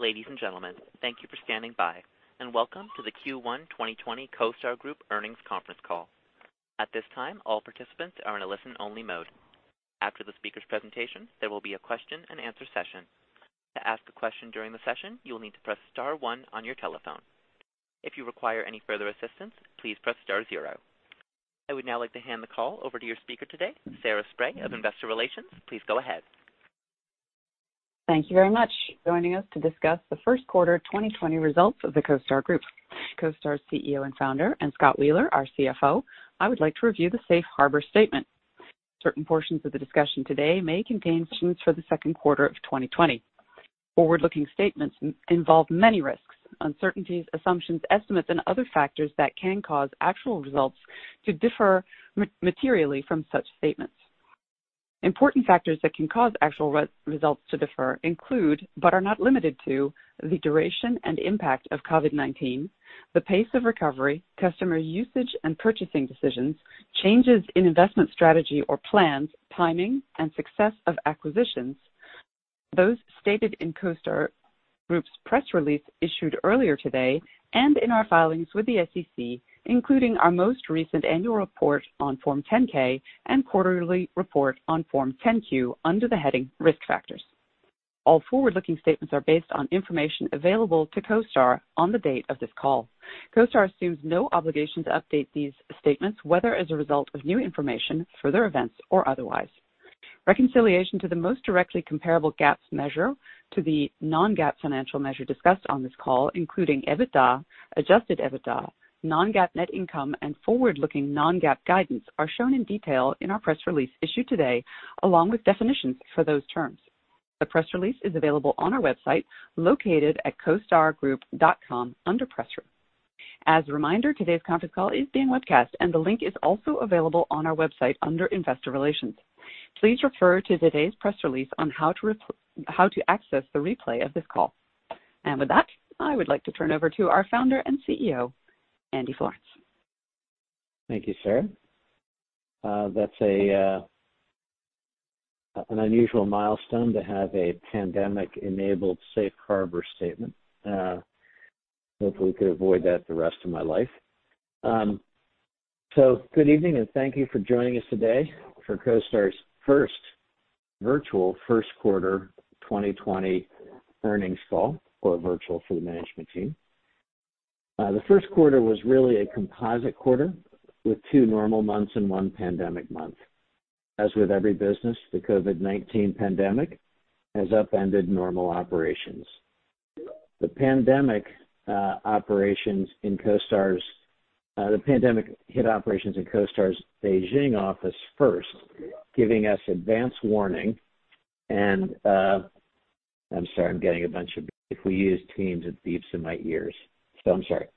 Ladies and gentlemen, thank you for standing by, and welcome to the Q1 2020 CoStar Group Earnings Conference Call. At this time, all participants are in a listen-only mode. After the speaker's presentation, there will be a question-and-answer session. To ask a question during the session, you will need to press star one on your telephone. If you require any further assistance, please press star zero. I would now like to hand the call over to your speaker today, Sarah Spray of Investor Relations. Please go ahead. Thank you very much. Joining us to discuss the first quarter 2020 results of the CoStar Group, CoStar CEO and Founder, and Scott Wheeler, our CFO. I would like to review the Safe Harbor statement. Certain portions of the discussion today may contain statements for the second quarter of 2020. Forward-looking statements involve many risks, uncertainties, assumptions, estimates, and other factors that can cause actual results to differ materially from such statements. Important factors that can cause actual results to differ include, but are not limited to, the duration and impact of COVID-19, the pace of recovery, customer usage and purchasing decisions, changes in investment strategy or plans, timing and success of acquisitions, those stated in CoStar Group's press release issued earlier today, and in our filings with the SEC, including our most recent annual report on Form 10-K and quarterly report on Form 10-Q under the heading Risk Factors. All forward-looking statements are based on information available to CoStar on the date of this call. CoStar assumes no obligation to update these statements, whether as a result of new information, further events or otherwise. Reconciliation to the most directly comparable GAAP measure to the non-GAAP financial measure discussed on this call, including EBITDA, adjusted EBITDA, non-GAAP net income, and forward-looking non-GAAP guidance are shown in detail in our press release issued today, along with definitions for those terms. The press release is available on our website located at costargroup.com under Press Room. As a reminder, today's conference call is being webcast, and the link is also available on our website under Investor Relations. Please refer to today's press release on how to access the replay of this call. With that, I would like to turn over to our Founder and CEO, Andy Florance. Thank you, Sarah. That's an unusual milestone to have a pandemic-enabled safe harbor statement. Hopefully we could avoid that the rest of my life. Good evening, and thank you for joining us today for CoStar's first virtual first quarter 2020 earnings call. Virtual for the management team. The first quarter was really a composite quarter with two normal months and one pandemic month. As with every business, the COVID-19 pandemic has upended normal operations. The pandemic hit operations in CoStar's Beijing office first, giving us advance warning. If we use Teams, it beeps in my ears. I'm sorry.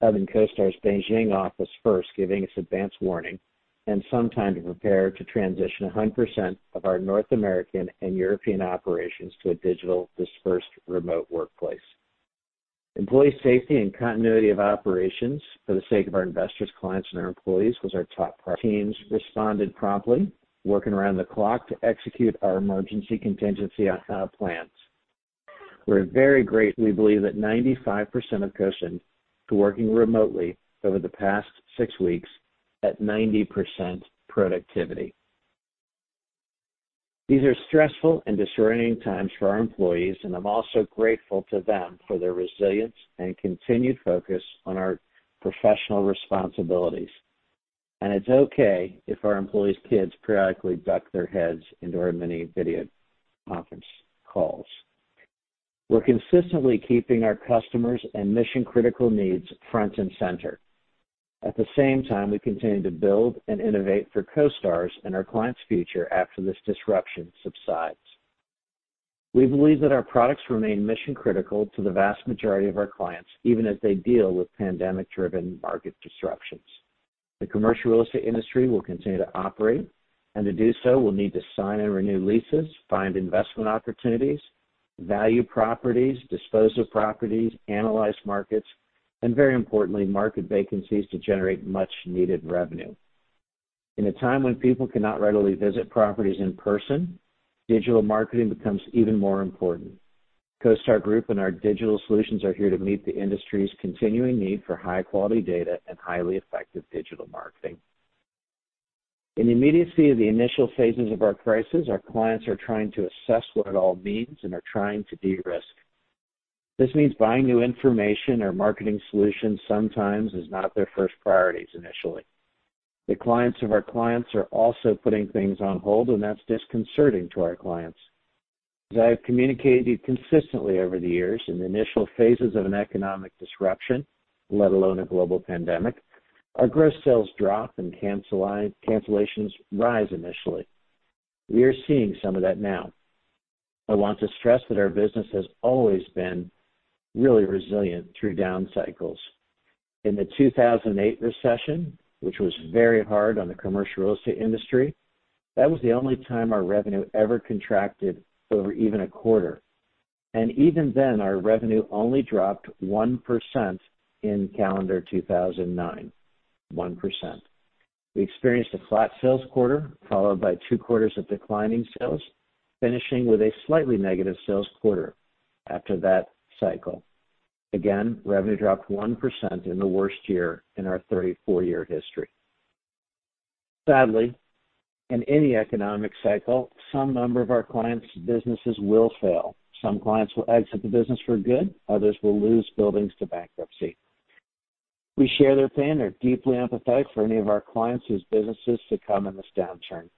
Having CoStar's Beijing office first, giving us advance warning, and some time to prepare to transition 100% of our North American and European operations to a digital dispersed remote workplace. Employee safety and continuity of operations for the sake of our investors, clients, and our employees was our top priority. Teams responded promptly, working around the clock to execute our emergency contingency plans. We're very grateful. We believe that 95% of CoStar to working remotely over the past six weeks at 90% productivity. These are stressful and disorienting times for our employees, I'm also grateful to them for their resilience and continued focus on our professional responsibilities. It's okay if our employees' kids periodically duck their heads into our mini video conference calls. We're consistently keeping our customers and mission-critical needs front and center. At the same time, we continue to build and innovate for CoStar's and our clients' future after this disruption subsides. We believe that our products remain mission-critical to the vast majority of our clients, even as they deal with pandemic-driven market disruptions. The commercial real estate industry will continue to operate, and to do so will need to sign and renew leases, find investment opportunities, value properties, dispose of properties, analyze markets, and very importantly, market vacancies to generate much needed revenue. In a time when people cannot readily visit properties in person, digital marketing becomes even more important. CoStar Group and our digital solutions are here to meet the industry's continuing need for high quality data and highly effective digital marketing. In the immediacy of the initial phases of our crisis, our clients are trying to assess what it all means and are trying to de-risk. This means buying new information or marketing solutions sometimes is not their first priorities initially. The clients of our clients are also putting things on hold, and that's disconcerting to our clients. As I have communicated consistently over the years, in the initial phases of an economic disruption, let alone a global pandemic, our gross sales drop and cancellations rise initially. We are seeing some of that now. I want to stress that our business has always been really resilient through down cycles. In the 2008 recession, which was very hard on the commercial real estate industry, that was the only time our revenue ever contracted over even a quarter. Even then, our revenue only dropped 1% in calendar 2009. 1%. We experienced a flat sales quarter followed by two quarters of declining sales, finishing with a slightly negative sales quarter after that cycle. Again, revenue dropped 1% in the worst year in our 34-year history. Sadly, in any economic cycle, some number of our clients' businesses will fail. Some clients will exit the business for good. Others will lose buildings to bankruptcy. We share their pain and are deeply empathetic for any of our clients whose businesses succumb in this downturn.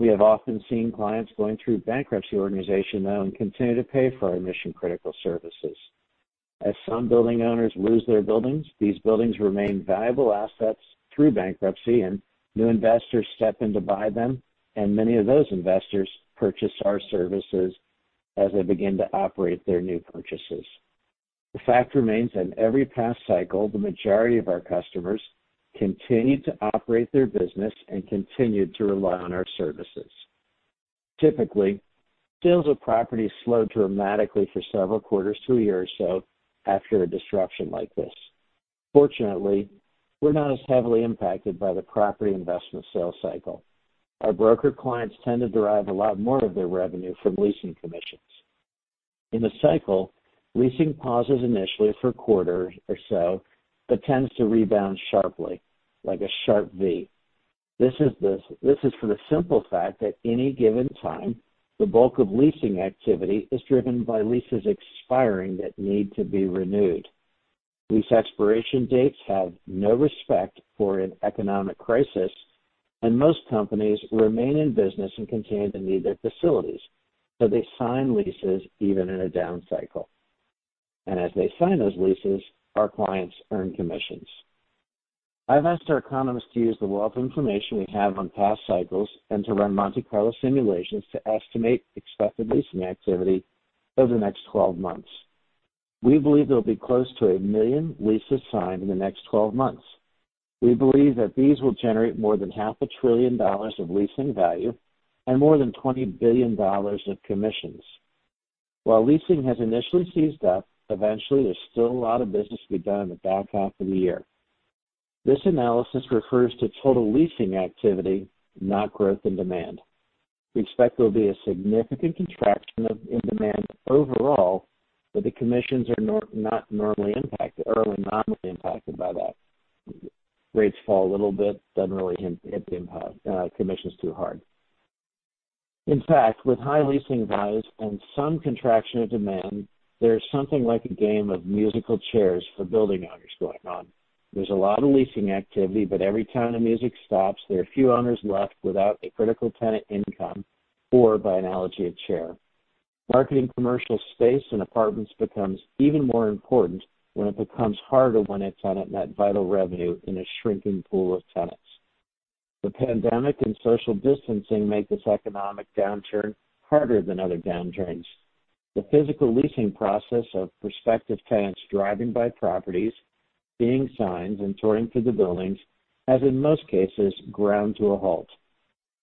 We have often seen clients going through bankruptcy organization now, and continue to pay for our mission-critical services. As some building owners lose their buildings, these buildings remain valuable assets through bankruptcy, and new investors step in to buy them, and many of those investors purchase our services as they begin to operate their new purchases. The fact remains, in every past cycle, the majority of our customers continued to operate their business and continued to rely on our services. Typically, sales of properties slow dramatically for several quarters to a year or so after a disruption like this. Fortunately, we're not as heavily impacted by the property investment sales cycle. Our broker clients tend to derive a lot more of their revenue from leasing commissions. In the cycle, leasing pauses initially for a quarter or so, but tends to rebound sharply, like a sharp V. This is for the simple fact that any given time, the bulk of leasing activity is driven by leases expiring that need to be renewed. Lease expiration dates have no respect for an economic crisis, and most companies remain in business and continue to need their facilities, so they sign leases even in a down cycle. As they sign those leases, our clients earn commissions. I've asked our economists to use the wealth of information we have on past cycles and to run Monte Carlo simulations to estimate expected leasing activity over the next 12 months. We believe there'll be close to 1 million leases signed in the next 12 months. We believe that these will generate more than half a trillion dollars of leasing value and more than $20 billion of commissions. While leasing has initially seized up, eventually there's still a lot of business to be done in the back half of the year. This analysis refers to total leasing activity, not growth and demand. We expect there will be a significant contraction in demand overall, but the commissions are not normally impacted by that. Rates fall a little bit, doesn't really hit the commissions too hard. In fact, with high leasing values and some contraction of demand, there's something like a game of musical chairs for building owners going on. There's a lot of leasing activity, but every time the music stops, there are a few owners left without a critical tenant income or, by analogy, a chair. Marketing commercial space and apartments becomes even more important when it becomes harder to win a tenant and that vital revenue in a shrinking pool of tenants. The pandemic and social distancing make this economic downturn harder than other downturns. The physical leasing process of prospective tenants driving by properties, seeing signs, and touring through the buildings has in most cases ground to a halt.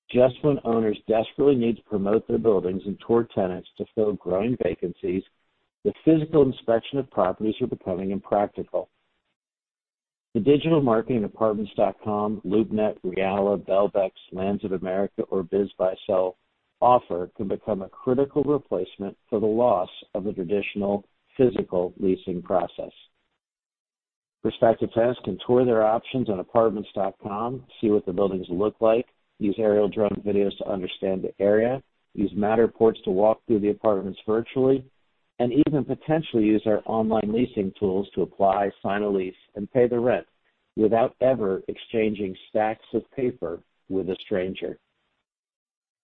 Just when owners desperately need to promote their buildings and tour tenants to fill growing vacancies, the physical inspection of properties are becoming impractical. The digital marketing of Apartments.com, LoopNet, Realla, Belbex, Lands of America, or BizBuySell offer can become a critical replacement for the loss of the traditional physical leasing process. Prospective tenants can tour their options on Apartments.com, see what the buildings look like, use aerial drone videos to understand the area, use Matterports to walk through the apartments virtually, and even potentially use our online leasing tools to apply, sign a lease, and pay the rent without ever exchanging stacks of paper with a stranger.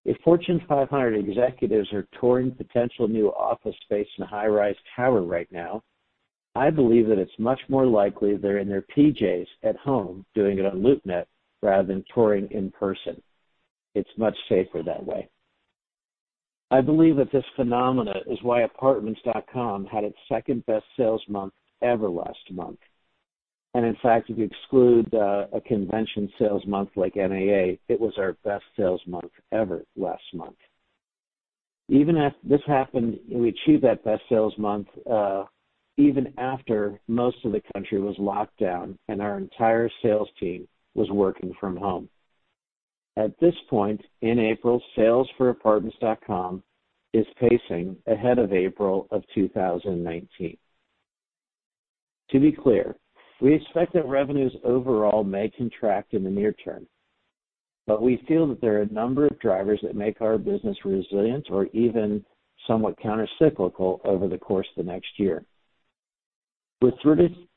If Fortune 500 executives are touring potential new office space in a high-rise tower right now, I believe that it's much more likely they're in their PJs at home doing it on LoopNet rather than touring in person. It's much safer that way. I believe that this phenomena is why Apartments.com had its second-best sales month ever last month. In fact, if you exclude a convention sales month like NAA, it was our best sales month ever last month. We achieved that best sales month even after most of the country was locked down and our entire sales team was working from home. At this point in April, sales for Apartments.com is pacing ahead of April of 2019. To be clear, we expect that revenues overall may contract in the near term. We feel that there are a number of drivers that make our business resilient or even somewhat countercyclical over the course of the next year. With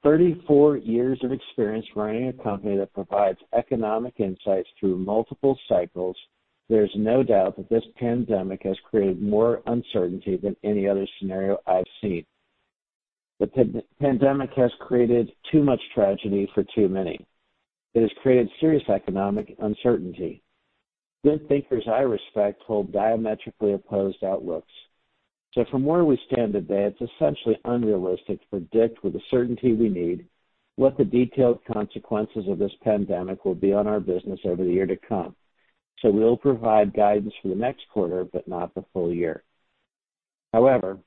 34 years of experience running a company that provides economic insights through multiple cycles, there's no doubt that this pandemic has created more uncertainty than any other scenario I've seen. The pandemic has created too much tragedy for too many. It has created serious economic uncertainty. Good thinkers I respect hold diametrically opposed outlooks. From where we stand today, it's essentially unrealistic to predict with the certainty we need what the detailed consequences of this pandemic will be on our business over the year to come. We'll provide guidance for the next quarter, but not the full-year. however,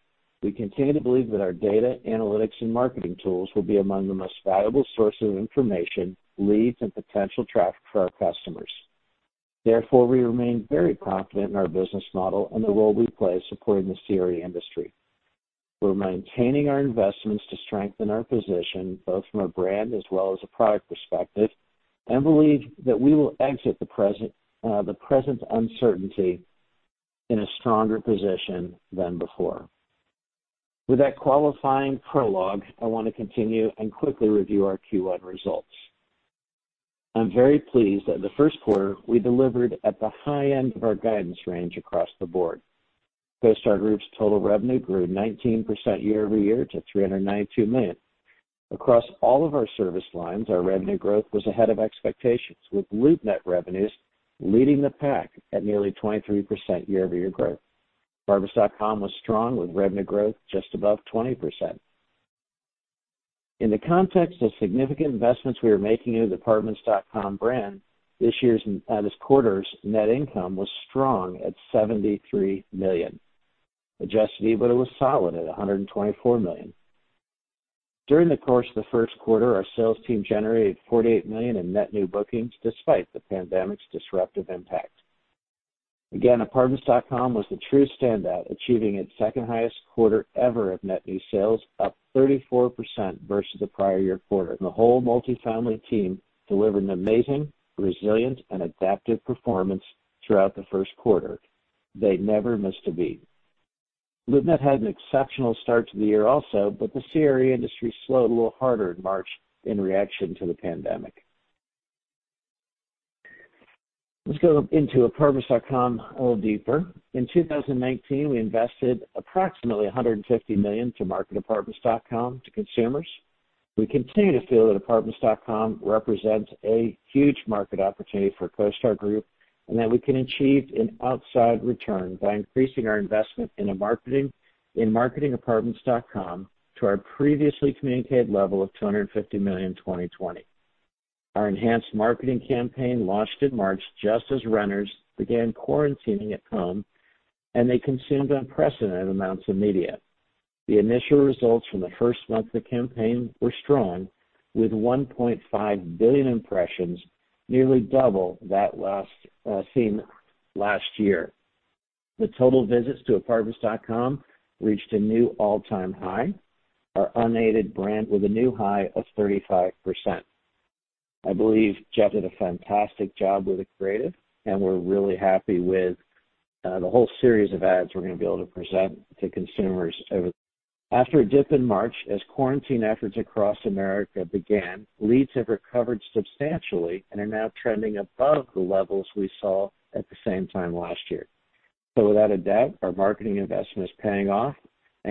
we continue to believe that our data analytics and marketing tools will be among the most valuable sources of information, leads, and potential traffic for our customers. Therefore, we remain very confident in our business model and the role we play supporting the CRE industry. We're maintaining our investments to strengthen our position, both from a brand as well as a product perspective, and believe that we will exit the present uncertainty in a stronger position than before. With that qualifying prologue, I want to continue and quickly review our Q1 results. I'm very pleased that the first quarter, we delivered at the high end of our guidance range across the board. CoStar Group's total revenue grew 19% year-over-year to $392 million. Across all of our service lines, our revenue growth was ahead of expectations, with LoopNet revenues leading the pack at nearly 23% year-over-year growth. Apartments.com was strong, with revenue growth just above 20%. In the context of significant investments we are making in the Apartments.com brand, this quarter's net income was strong at $73 million. Adjusted EBITDA was solid at $124 million. During the course of the first quarter, our sales team generated $48 million in net new bookings despite the pandemic's disruptive impact. Again, Apartments.com was the true standout, achieving its second-highest quarter ever of net new sales, up 34% versus the prior year quarter. The whole multifamily team delivered an amazing, resilient, and adaptive performance throughout the first quarter. They never missed a beat. LoopNet had an exceptional start to the year also, but the CRE industry slowed a little harder in March in reaction to the pandemic. Let's go into Apartments.com a little deeper. In 2019, we invested approximately $150 million to market Apartments.com to consumers. We continue to feel that Apartments.com represents a huge market opportunity for CoStar Group, and that we can achieve an outsized return by increasing our investment in marketing Apartments.com to our previously communicated level of $250 million in 2020. Our enhanced marketing campaign launched in March, just as renters began quarantining at home, and they consumed unprecedented amounts of media. The initial results from the first month of the campaign were strong, with 1.5 billion impressions, nearly double that last seen last year. The total visits to Apartments.com reached a new all-time high. Our unaided brand with a new high of 35%. I believe Jeff did a fantastic job with the creative, and we're really happy with the whole series of ads we're going to be able to present to consumers. After a dip in March, as quarantine efforts across America began, leads have recovered substantially and are now trending above the levels we saw at the same time last year. Without a doubt, our marketing investment is paying off.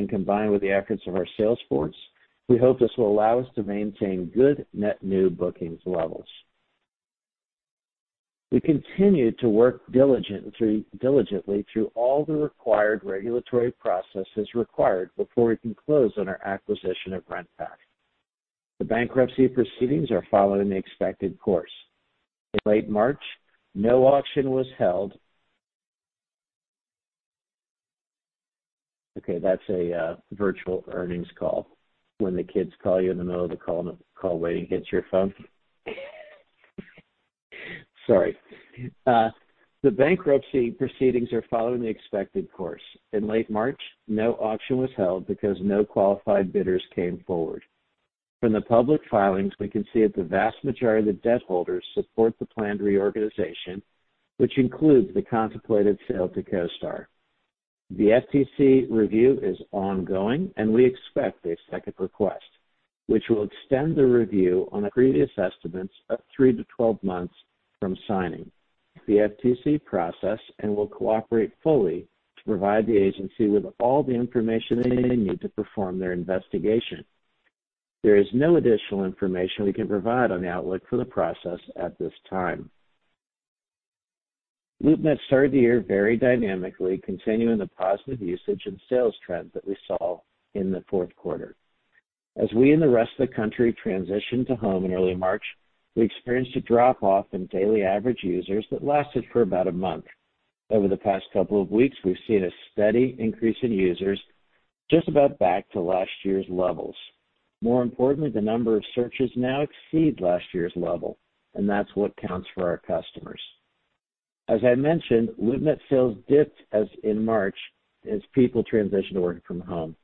Combined with the efforts of our sales force, we hope this will allow us to maintain good net new bookings levels. We continue to work diligently through all the required regulatory processes required before we can close on our acquisition of RentPath. The bankruptcy proceedings are following the expected course. In late March, no auction was held. Okay, that's a virtual earnings call. When the kids call you in the middle of the call, wait and get your phone. Sorry. The bankruptcy proceedings are following the expected course. In late March, no auction was held because no qualified bidders came forward. From the public filings, we can see that the vast majority of the debt holders support the planned reorganization, which includes the contemplated sale to CoStar. The FTC review is ongoing. We expect a second request, which will extend the review on our previous estimates of three to 12 months from signing. The FTC process. We will cooperate fully to provide the agency with all the information they need to perform their investigation. There is no additional information we can provide on the outlook for the process at this time. LoopNet started the year very dynamically, continuing the positive usage and sales trends that we saw in the fourth quarter. As we and the rest of the country transitioned to home in early March, we experienced a drop-off in daily average users that lasted for about a month. Over the past couple of weeks, we've seen a steady increase in users just about back to last year's levels. More importantly, the number of searches now exceed last year's level, and that's what counts for our customers. As I mentioned, LoopNet sales dipped in March as people transitioned to working from home.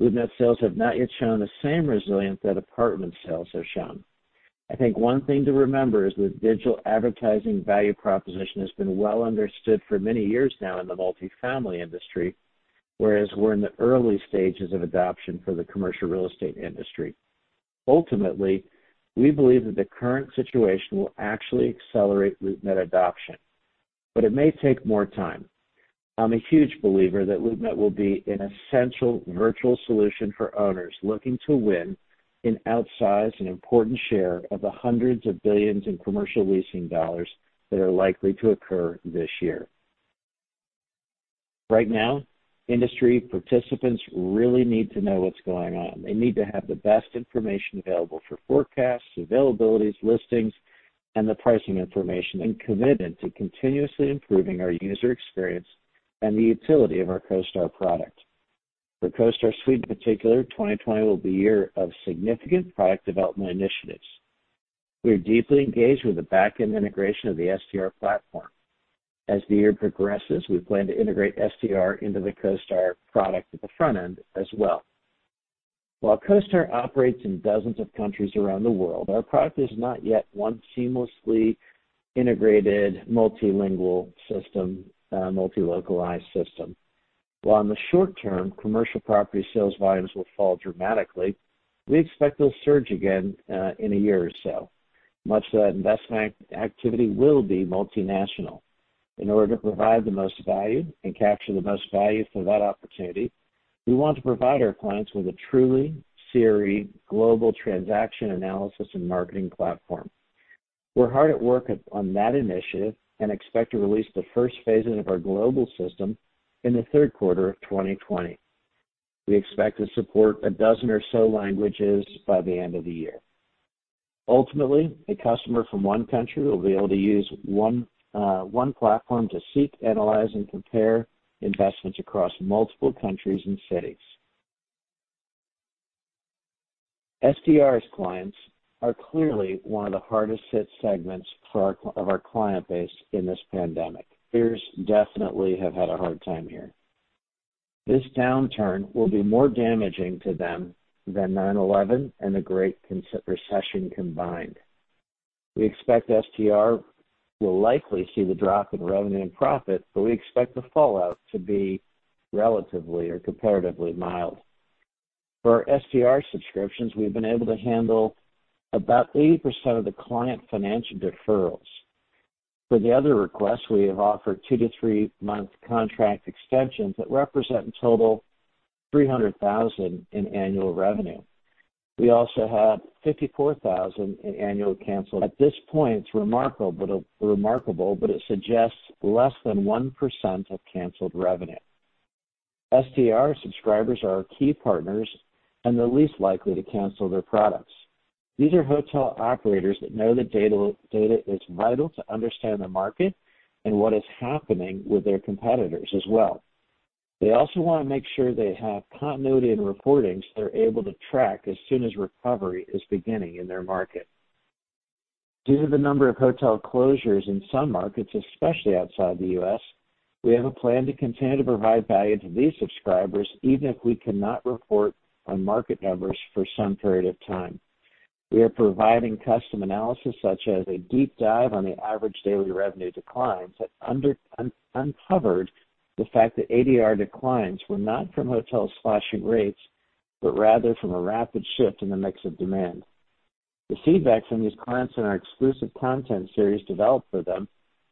LoopNet sales have not yet shown the same resilience that Apartment sales have shown. I think one thing to remember is the digital advertising value proposition has been well understood for many years now in the multifamily industry, whereas we're in the early stages of adoption for the commercial real estate industry. Ultimately, we believe that the current situation will actually accelerate LoopNet adoption, but it may take more time. I'm a huge believer that LoopNet will be an essential virtual solution for owners looking to win an outsized and important share of the hundreds of billions in commercial leasing dollars that are likely to occur this year. Right now, industry participants really need to know what's going on. They need to have the best information available for forecasts, availabilities, listings. The pricing information and commitment to continuously improving our user experience and the utility of our CoStar product. For CoStar Suite in particular, 2020 will be a year of significant product development initiatives. We are deeply engaged with the back-end integration of the STR platform. As the year progresses, we plan to integrate STR into the CoStar product at the front end as well. While CoStar operates in dozens of countries around the world, our product is not yet one seamlessly integrated multilingual system, multi-localized system. While in the short term, commercial property sales volumes will fall dramatically, we expect they'll surge again in a year or so. Much of that investment activity will be multinational. In order to provide the most value and capture the most value for that opportunity, we want to provide our clients with a truly seamless global transaction analysis and marketing platform. We're hard at work on that initiative and expect to release the first phase of our global system in the third quarter of 2020. We expect to support a dozen or so languages by the end of the year. Ultimately, a customer from one country will be able to use one platform to seek, analyze, and compare investments across multiple countries and cities. STR's clients are clearly one of the hardest hit segments of our client base in this pandemic. Peers definitely have had a hard time here. This downturn will be more damaging to them than 9/11 and the Great Recession combined. We expect STR will likely see the drop in revenue and profit. We expect the fallout to be relatively or comparatively mild. For our STR subscriptions, we've been able to handle about 80% of the client financial deferrals. For the other requests, we have offered two to three-month contract extensions that represent in total $300,000 in annual revenue. We also have $54,000 in annual cancel. At this point, it's remarkable, but it suggests less than 1% of canceled revenue. STR subscribers are our key partners and the least likely to cancel their products. These are hotel operators that know the data is vital to understand the market and what is happening with their competitors as well. They also want to make sure they have continuity in reporting, so they're able to track as soon as recovery is beginning in their market. Due to the number of hotel closures in some markets, especially outside the U.S., we have a plan to continue to provide value to these subscribers, even if we cannot report on market numbers for some period of time. We are providing custom analysis such as a deep dive on the average daily revenue declines that uncovered the fact that ADR declines were not from hotels slashing rates, but rather from a rapid shift in the mix of demand. The feedback from these clients on our exclusive content series developed for them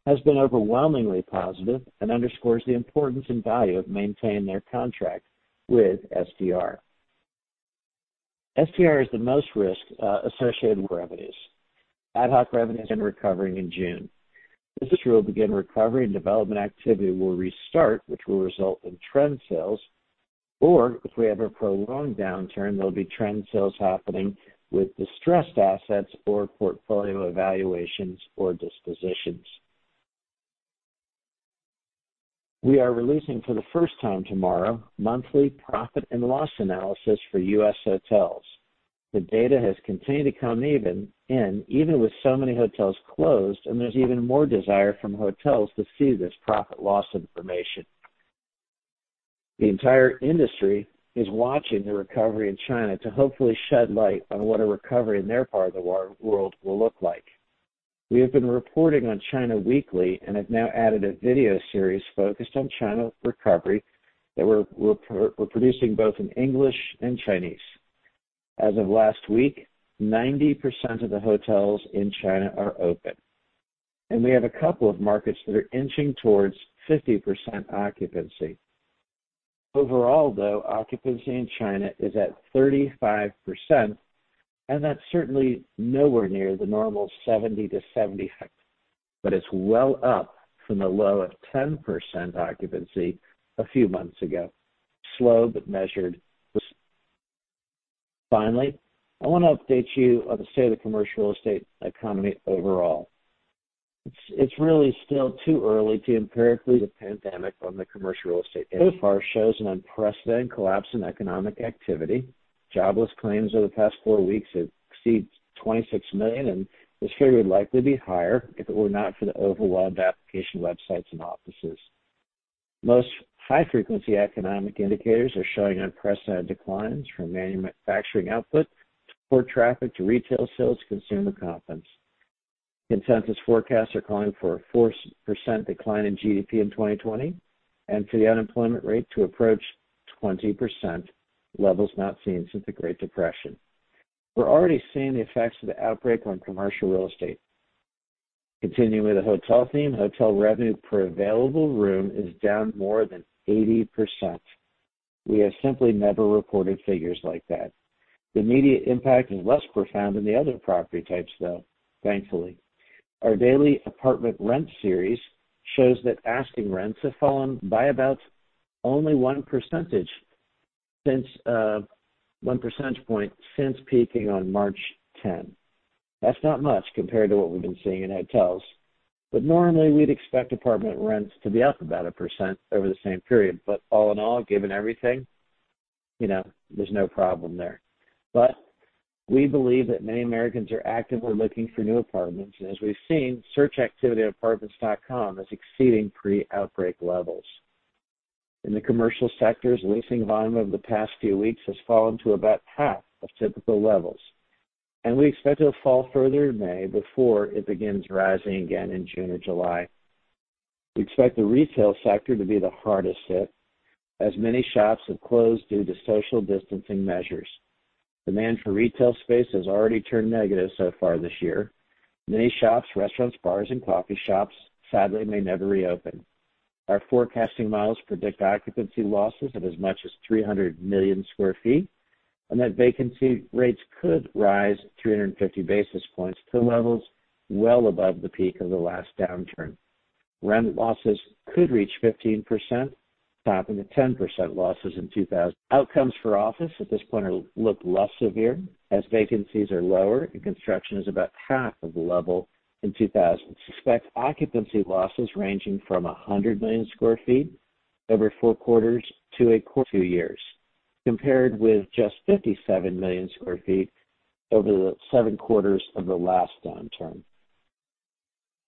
has been overwhelmingly positive and underscores the importance and value of maintaining their contract with STR. STR is the most risk associated with revenues. Ad hoc revenues have been recovering in June. This year, we'll begin recovery and development activity will restart, which will result in trend sales. If we have a prolonged downturn, there'll be trend sales happening with distressed assets or portfolio evaluations or dispositions. We are releasing for the first time tomorrow, monthly profit and loss analysis for U.S. hotels. The data has continued to come in even with so many hotels closed, and there's even more desire from hotels to see this profit loss information. The entire industry is watching the recovery in China to hopefully shed light on what a recovery in their part of the world will look like. We have been reporting on China weekly and have now added a video series focused on China recovery that we're producing both in English and Chinese. As of last week, 90% of the hotels in China are open, and we have a couple of markets that are inching towards 50% occupancy. Overall, though, occupancy in China is at 35%, and that's certainly nowhere near the normal 70%-75%. It's well up from the low of 10% occupancy a few months ago. Finally, I want to update you on the state of the commercial real estate economy overall. It's really still too early to the pandemic on the commercial real estate industry. So far shows an unprecedented collapse in economic activity. Jobless claims over the past four weeks have exceeded 26 million, and this figure would likely be higher if it were not for the overwhelmed application websites and offices. Most high-frequency economic indicators are showing unprecedented declines from manufacturing output to port traffic to retail sales to consumer confidence. Consensus forecasts are calling for a 4% decline in GDP in 2020 and for the unemployment rate to approach 20%, levels not seen since the Great Depression. We're already seeing the effects of the outbreak on commercial real estate. Continuing with the hotel theme, hotel revenue per available room is down more than 80%. We have simply never reported figures like that. The immediate impact is less profound than the other property types, though, thankfully. Our daily apartment rent series shows that asking rents have fallen by about only one percentage point since peaking on March 10. That's not much compared to what we've been seeing in hotels, but normally we'd expect apartment rents to be up about 1% over the same period. All in all, given everything, there's no problem there. We believe that many Americans are actively looking for new apartments, and as we've seen, search activity on Apartments.com is exceeding pre-outbreak levels. In the commercial sectors, leasing volume over the past few weeks has fallen to about half of typical levels, and we expect it will fall further in May before it begins rising again in June or July. We expect the retail sector to be the hardest hit, as many shops have closed due to social distancing measures. Demand for retail space has already turned negative so far this year. Many shops, restaurants, bars, and coffee shops sadly may never reopen. Our forecasting models predict occupancy losses of as much as 300 million square feet, and that vacancy rates could rise 350 basis points to levels well above the peak of the last downturn. Rent losses could reach 15%, topping the 10% losses in 2000. Outcomes for office at this point look less severe, as vacancies are lower and construction is about half of the level in 2006. We expect occupancy losses ranging from 100 million square feet over four quarters to two years, compared with just 57 million square feet over the seven quarters of the last downturn.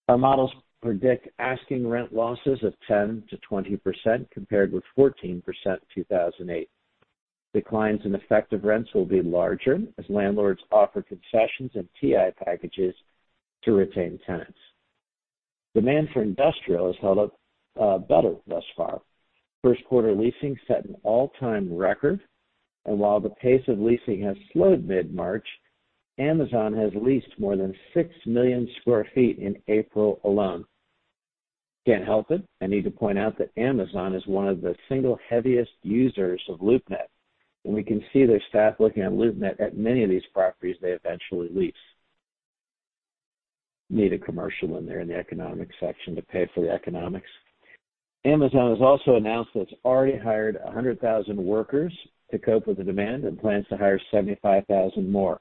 Our models predict asking rent losses of 10%-20%, compared with 14% in 2008. Declines in effective rents will be larger as landlords offer concessions and TI packages to retain tenants. Demand for industrial has held up better thus far. First quarter leasing set an all-time record, and while the pace of leasing has slowed mid-March, Amazon has leased more than 6 million square feet in April alone. Can't help it, I need to point out that Amazon is one of the single heaviest users of LoopNet, and we can see their staff looking at LoopNet at many of these properties they eventually lease. Need a commercial in there in the economics section to pay for the economics. Amazon has also announced that it's already hired 100,000 workers to cope with the demand and plans to hire 75,000 more.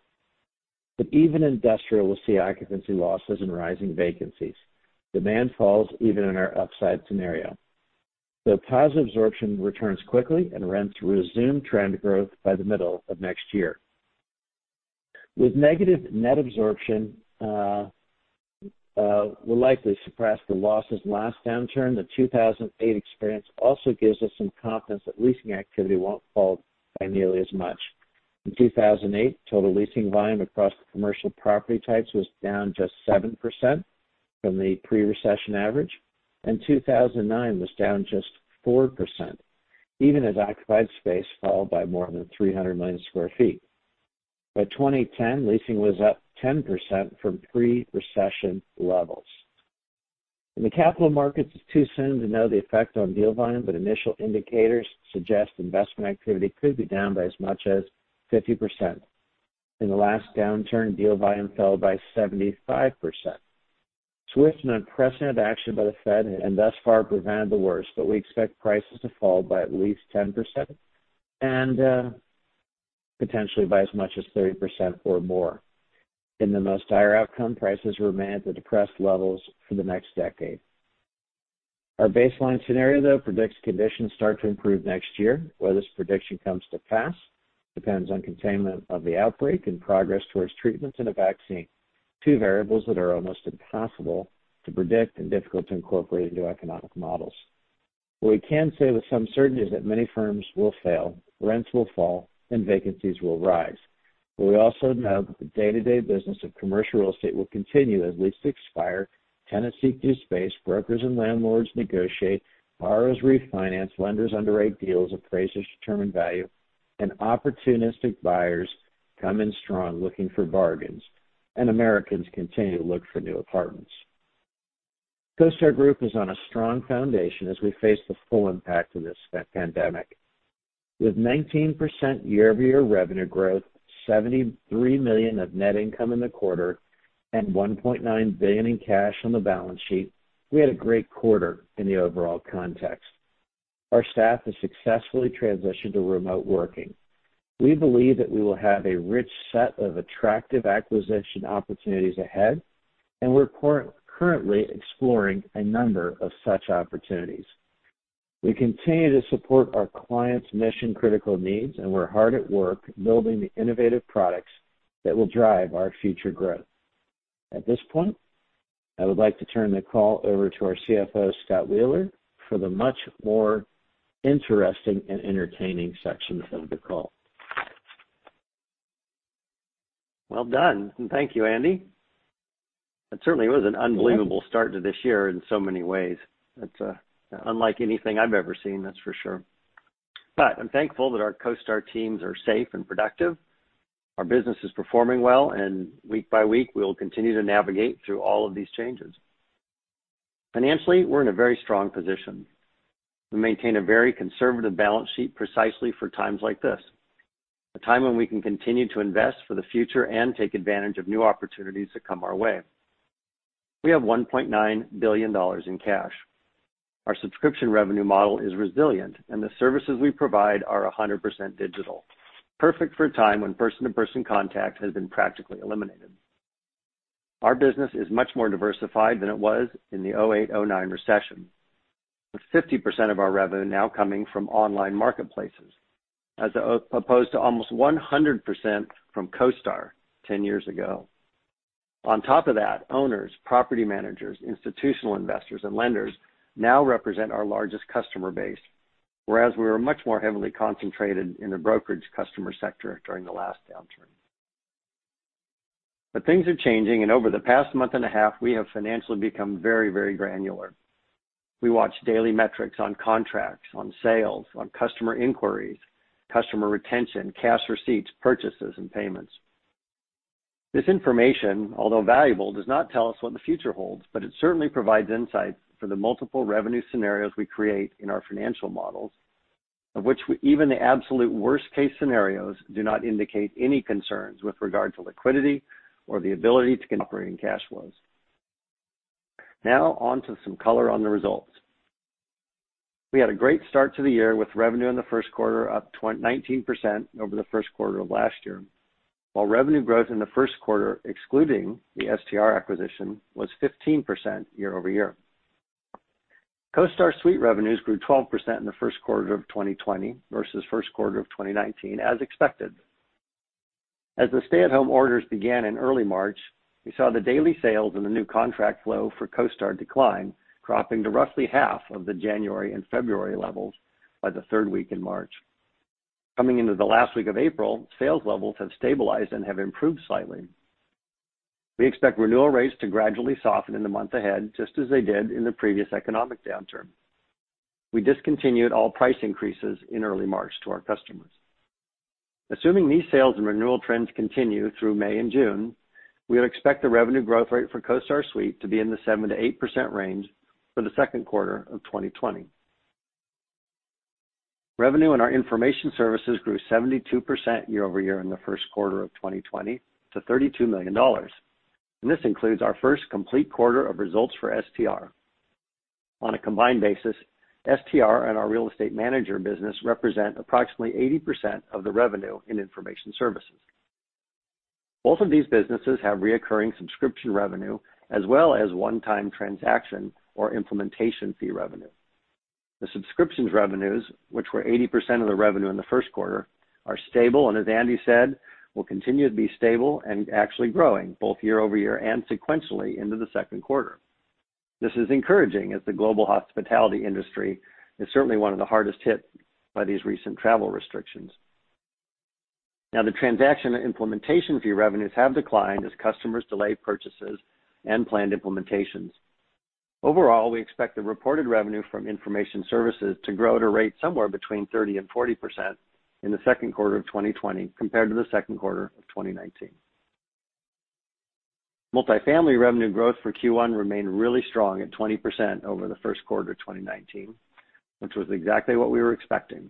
Even industrial will see occupancy losses and rising vacancies. Demand falls even in our upside scenario, though positive absorption returns quickly and rents resume trend growth by the middle of next year. With negative net absorption will likely suppress the losses last downturn. The 2008 experience also gives us some confidence that leasing activity won't fall by nearly as much. In 2008, total leasing volume across the commercial property types was down just 7% from the pre-recession average, and 2009 was down just 4%, even as occupied space fell by more than 300 million square feet. By 2010, leasing was up 10% from pre-recession levels. In the capital markets, it's too soon to know the effect on deal volume, but initial indicators suggest investment activity could be down by as much as 50%. In the last downturn, deal volume fell by 75%. Swift and unprecedented action by the Fed has thus far prevented the worst, but we expect prices to fall by at least 10% and potentially by as much as 30% or more. In the most dire outcome, prices remain at the depressed levels for the next decade. Our baseline scenario, though, predicts conditions start to improve next year. Whether this prediction comes to pass depends on containment of the outbreak and progress towards treatments and a vaccine. two variables that are almost impossible to predict and difficult to incorporate into economic models. What we can say with some certainty is that many firms will fail, rents will fall, and vacancies will rise. We also know that the day-to-day business of commercial real estate will continue as leases expire, tenants seek new space, brokers and landlords negotiate, borrowers refinance, lenders underwrite deals, appraisers determine value, and opportunistic buyers come in strong looking for bargains, and Americans continue to look for new apartments. CoStar Group is on a strong foundation as we face the full impact of this pandemic. With 19% year-over-year revenue growth, $73 million of net income in the quarter, and $1.9 billion in cash on the balance sheet, we had a great quarter in the overall context. Our staff has successfully transitioned to remote working. We believe that we will have a rich set of attractive acquisition opportunities ahead, and we are currently exploring a number of such opportunities. We continue to support our clients' mission-critical needs, and we're hard at work building the innovative products that will drive our future growth. At this point, I would like to turn the call over to our CFO, Scott Wheeler, for the much more interesting and entertaining sections of the call. Well done. Thank you, Andy. It certainly was an unbelievable start to this year in so many ways. It's unlike anything I've ever seen, that's for sure. I'm thankful that our CoStar teams are safe and productive, our business is performing well, and week by week, we will continue to navigate through all of these changes. Financially, we're in a very strong position. We maintain a very conservative balance sheet precisely for times like this. A time when we can continue to invest for the future and take advantage of new opportunities that come our way. We have $1.9 billion in cash. Our subscription revenue model is resilient, and the services we provide are 100% digital, perfect for a time when person-to-person contact has been practically eliminated. Our business is much more diversified than it was in the 2008, 2009 recession, with 50% of our revenue now coming from online marketplaces, as opposed to almost 100% from CoStar 10 years ago. Owners, property managers, institutional investors, and lenders now represent our largest customer base, whereas we were much more heavily concentrated in the brokerage customer sector during the last downturn. Things are changing, and over the past month and a half, we have financially become very granular. We watch daily metrics on contracts, on sales, on customer inquiries, customer retention, cash receipts, purchases, and payments. This information, although valuable, does not tell us what the future holds, but it certainly provides insights for the multiple revenue scenarios we create in our financial models, of which even the absolute worst-case scenarios do not indicate any concerns with regard to liquidity or the ability to operating cash flows. On to some color on the results. We had a great start to the year with revenue in the first quarter up 19% over the first quarter of last year, while revenue growth in the first quarter, excluding the STR acquisition, was 15% year-over-year. CoStar Suite revenues grew 12% in the first quarter of 2020 versus first quarter of 2019 as expected. As the stay-at-home orders began in early March, we saw the daily sales and the new contract flow for CoStar decline, dropping to roughly half of the January and February levels by the third week in March. Coming into the last week of April, sales levels have stabilized and have improved slightly. We expect renewal rates to gradually soften in the month ahead, just as they did in the previous economic downturn. We discontinued all price increases in early March to our customers. Assuming these sales and renewal trends continue through May and June, we would expect the revenue growth rate for CoStar Suite to be in the 7%-8% range for the second quarter of 2020. Revenue in our information services grew 72% year-over-year in the first quarter of 2020 to $32 million. This includes our first complete quarter of results for STR. On a combined basis, STR and our Real Estate Manager business represent approximately 80% of the revenue in information services. Both of these businesses have reoccurring subscription revenue as well as one-time transaction or implementation fee revenue. The subscriptions revenues, which were 80% of the revenue in the first quarter, are stable, and as Andy said, will continue to be stable and actually growing both year-over-year and sequentially into the second quarter. This is encouraging as the global hospitality industry is certainly one of the hardest hit by these recent travel restrictions. Now the transaction and implementation fee revenues have declined as customers delay purchases and planned implementations. Overall, we expect the reported revenue from information services to grow at a rate somewhere between 30% and 40% in the second quarter of 2020 compared to the second quarter of 2019. Multifamily revenue growth for Q1 remained really strong at 20% over the first quarter of 2019, which was exactly what we were expecting.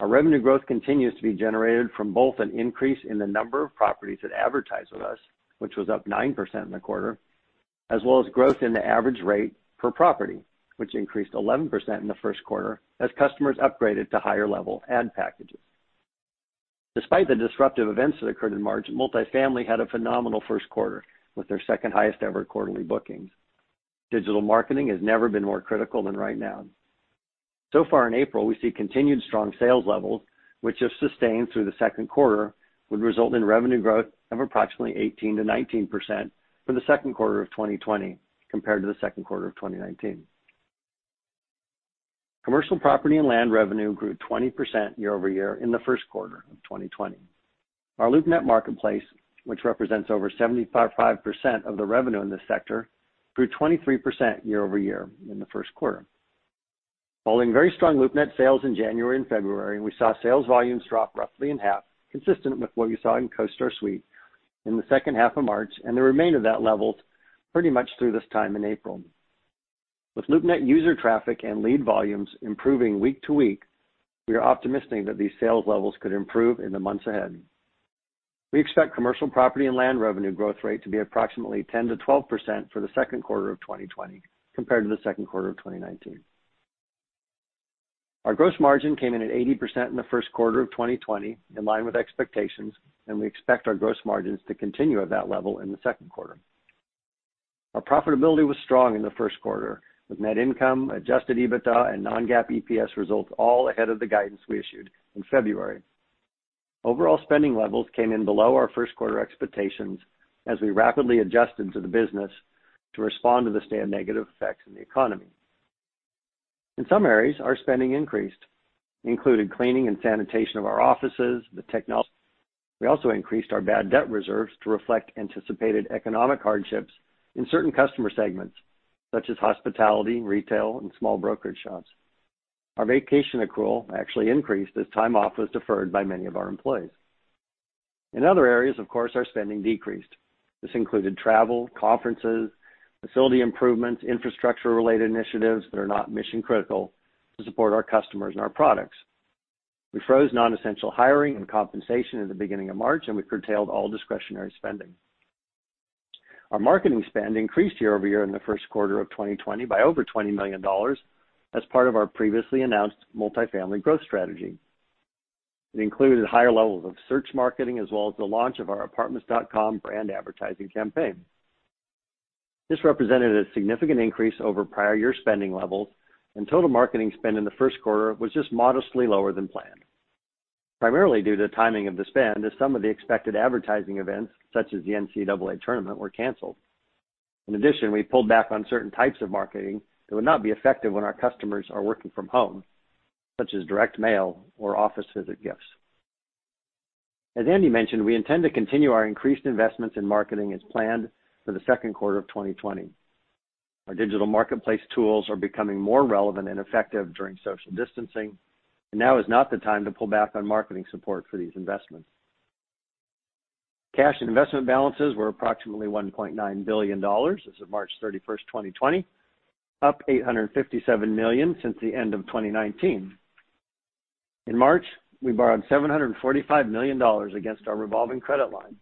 Our revenue growth continues to be generated from both an increase in the number of properties that advertise with us, which was up 9% in the quarter, as well as growth in the average rate per property, which increased 11% in the first quarter as customers upgraded to higher-level ad packages. Despite the disruptive events that occurred in March, multifamily had a phenomenal first quarter with their second highest ever quarterly bookings. Digital marketing has never been more critical than right now. Far in April, we see continued strong sales levels, which if sustained through the second quarter, would result in revenue growth of approximately 18%-19% for the second quarter of 2020 compared to the second quarter of 2019. Commercial property and land revenue grew 20% year-over-year in the first quarter of 2020. Our LoopNet marketplace, which represents over 75% of the revenue in this sector, grew 23% year-over-year in the first quarter. Following very strong LoopNet sales in January and February, we saw sales volumes drop roughly in half, consistent with what we saw in CoStar Suite in the second half of March. They remained at that level pretty much through this time in April. With LoopNet user traffic and lead volumes improving week to week, we are optimistic that these sales levels could improve in the months ahead. We expect commercial property and land revenue growth rate to be approximately 10%-12% for the second quarter of 2020 compared to the second quarter of 2019. Our gross margin came in at 80% in the first quarter of 2020, in line with expectations. We expect our gross margins to continue at that level in the second quarter. Our profitability was strong in the first quarter with net income, adjusted EBITDA, and non-GAAP EPS results all ahead of the guidance we issued in February. Overall spending levels came in below our first quarter expectations as we rapidly adjusted to the business to respond to the negative effects in the economy. In some areas, our spending increased, including cleaning and sanitation of our offices, the technology. We also increased our bad debt reserves to reflect anticipated economic hardships in certain customer segments, such as hospitality, retail, and small brokerage shops. Our vacation accrual actually increased as time off was deferred by many of our employees. Other areas, of course, our spending decreased. This included travel, conferences, facility improvements, infrastructure-related initiatives that are not mission-critical to support our customers and our products. We froze non-essential hiring and compensation at the beginning of March. We curtailed all discretionary spending. Our marketing spend increased year-over-year in the first quarter of 2020 by over $20 million as part of our previously announced multifamily growth strategy. It included higher levels of search marketing, as well as the launch of our Apartments.com brand advertising campaign. This represented a significant increase over prior year spending levels. Total marketing spend in the first quarter was just modestly lower than planned, primarily due to the timing of the spend, as some of the expected advertising events, such as the NCAA tournament, were canceled. In addition, we pulled back on certain types of marketing that would not be effective when our customers are working from home, such as direct mail or office visit gifts. As Andy mentioned, we intend to continue our increased investments in marketing as planned for the second quarter of 2020. Our digital marketplace tools are becoming more relevant and effective during social distancing, and now is not the time to pull back on marketing support for these investments. Cash and investment balances were approximately $1.9 billion as of March 31st, 2020, up $857 million since the end of 2019. In March, we borrowed $745 million against our revolving credit line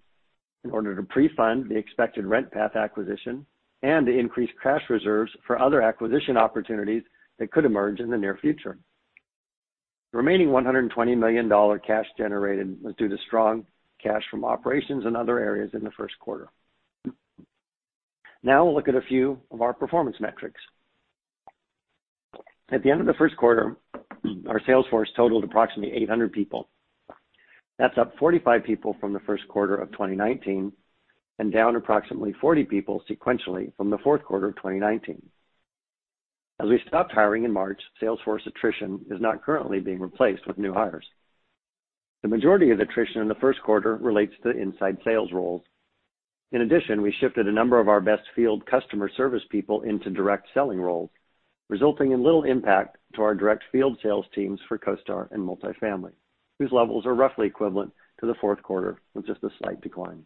in order to pre-fund the expected RentPath acquisition and to increase cash reserves for other acquisition opportunities that could emerge in the near future. The remaining $120 million cash generated was due to strong cash from operations in other areas in the first quarter. We'll look at a few of our performance metrics. At the end of the first quarter, our sales force totaled approximately 800 people. That's up 45 people from the first quarter of 2019 and down approximately 40 people sequentially from the fourth quarter of 2019. As we stopped hiring in March, sales force attrition is not currently being replaced with new hires. The majority of attrition in the first quarter relates to inside sales roles. In addition, we shifted a number of our best field customer service people into direct selling roles, resulting in little impact to our direct field sales teams for CoStar and multifamily, whose levels are roughly equivalent to the fourth quarter with just a slight decline.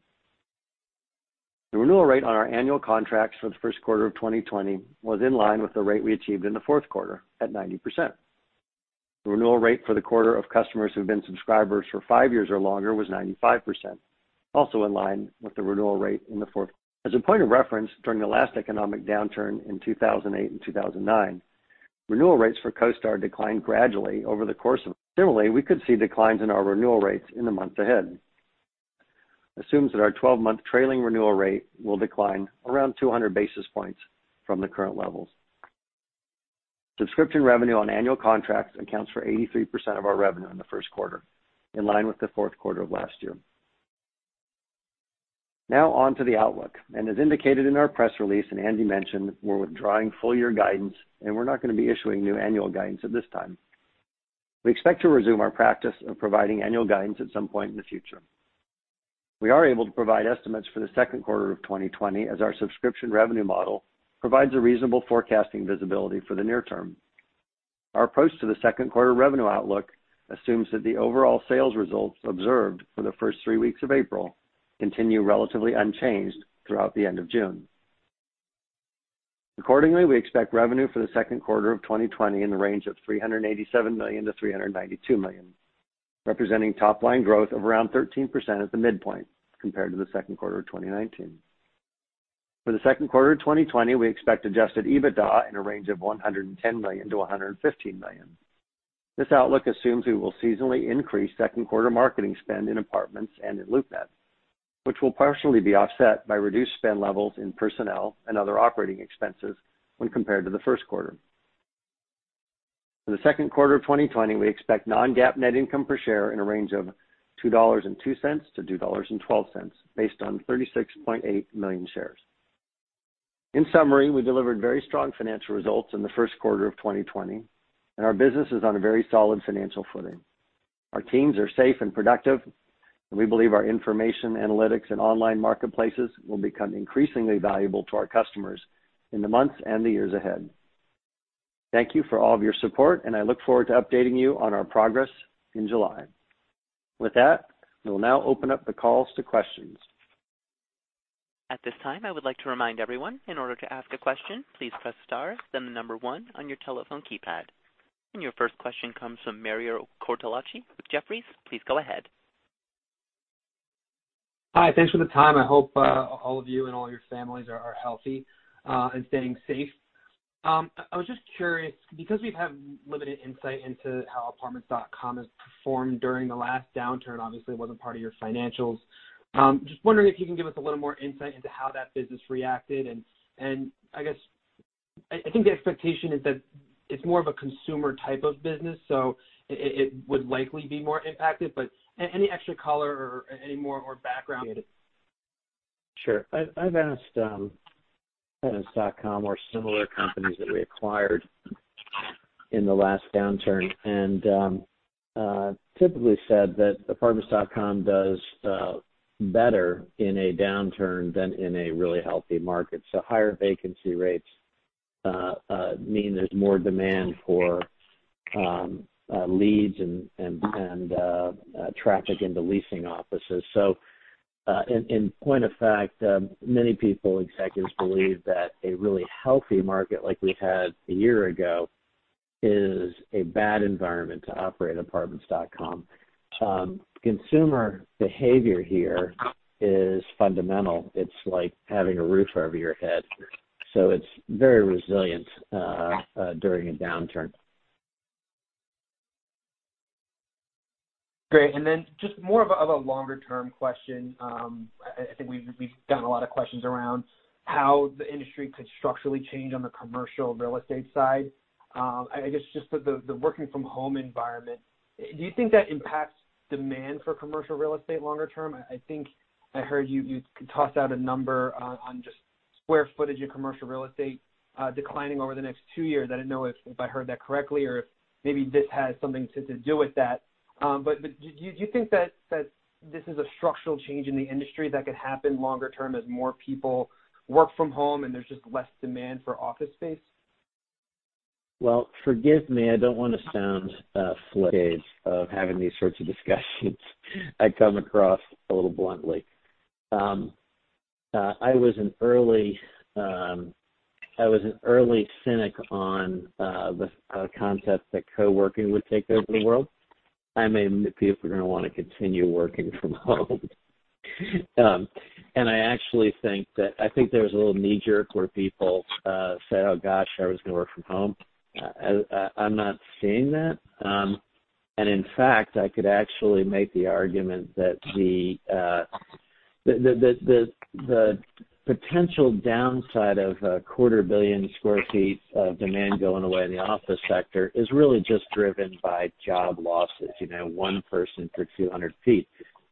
The renewal rate on our annual contracts for the first quarter of 2020 was in line with the rate we achieved in the fourth quarter, at 90%. The renewal rate for the quarter of customers who've been subscribers for five years or longer was 95%, also in line with the renewal rate in the fourth. As a point of reference, during the last economic downturn in 2008 and 2009, renewal rates for CoStar declined gradually. Similarly, we could see declines in our renewal rates in the months ahead. We assume that our 12-month trailing renewal rate will decline around 200 basis points from the current levels. Subscription revenue on annual contracts accounts for 83% of our revenue in the first quarter, in line with the fourth quarter of last year. Now on to the outlook, as indicated in our press release, and Andy mentioned, we're withdrawing full-year guidance, and we're not going to be issuing new annual guidance at this time. We expect to resume our practice of providing annual guidance at some point in the future. We are able to provide estimates for the second quarter of 2020 as our subscription revenue model provides a reasonable forecasting visibility for the near term. Our approach to the second quarter revenue outlook assumes that the overall sales results observed for the first three weeks of April continue relatively unchanged throughout the end of June. Accordingly, we expect revenue for the second quarter of 2020 in the range of $387 million-$392 million, representing top line growth of around 13% at the midpoint compared to the second quarter of 2019. For the second quarter of 2020, we expect adjusted EBITDA in a range of $110 million-$115 million. This outlook assumes we will seasonally increase second quarter marketing spend in apartments and in LoopNet, which will partially be offset by reduced spend levels in personnel and other operating expenses when compared to the first quarter. For the second quarter of 2020, we expect non-GAAP net income per share in a range of $2.02-$2.12, based on 36.8 million shares. In summary, we delivered very strong financial results in the first quarter of 2020, and our business is on a very solid financial footing. Our teams are safe and productive, and we believe our information analytics and online marketplaces will become increasingly valuable to our customers in the months and the years ahead. Thank you for all of your support, and I look forward to updating you on our progress in July. With that, we'll now open up the calls to questions. At this time, I would like to remind everyone, in order to ask a question, please press star then the number one on your telephone keypad. Your first question comes from Mario Cortellacci with Jefferies. Please go ahead. Hi. Thanks for the time. I hope all of you and all your families are healthy and staying safe. I was just curious, because we have limited insight into how Apartments.com has performed during the last downturn, obviously it wasn't part of your financials, just wondering if you can give us a little more insight into how that business reacted, and I guess, I think the expectation is that it's more of a consumer type of business, so it would likely be more impacted, but any extra color or any more background? Sure. I've asked Apartments.com or similar companies that we acquired in the last downturn and typically said that Apartments.com does better in a downturn than in a really healthy market. Higher vacancy rates mean there's more demand for In point of fact, many people, executives believe that a really healthy market like we had a year ago is a bad environment to operate Apartments.com. Consumer behavior here is fundamental. It's like having a roof over your head, so it's very resilient during a downturn. Great. Just more of a longer-term question. I think we've gotten a lot of questions around how the industry could structurally change on the commercial real estate side. I guess just the working from home environment, do you think that impacts demand for commercial real estate longer term? I think I heard you toss out a number on just square footage of commercial real estate declining over the next two years. I didn't know if I heard that correctly or if maybe this has something to do with that. Do you think that this is a structural change in the industry that could happen longer term as more people work from home and there's just less demand for office space? Well, forgive me, I don't want to sound flippant of having these sorts of discussions. I come across a little bluntly. I was an early cynic on the concept that co-working would take over the world. I mean, people are going to want to continue working from home. I actually think there was a little knee-jerk where people said, Oh gosh, I was going to work from home. I'm not seeing that. In fact, I could actually make the argument that the potential downside of a quarter billion square feet of demand going away in the office sector is really just driven by job losses, one person for 200 ft.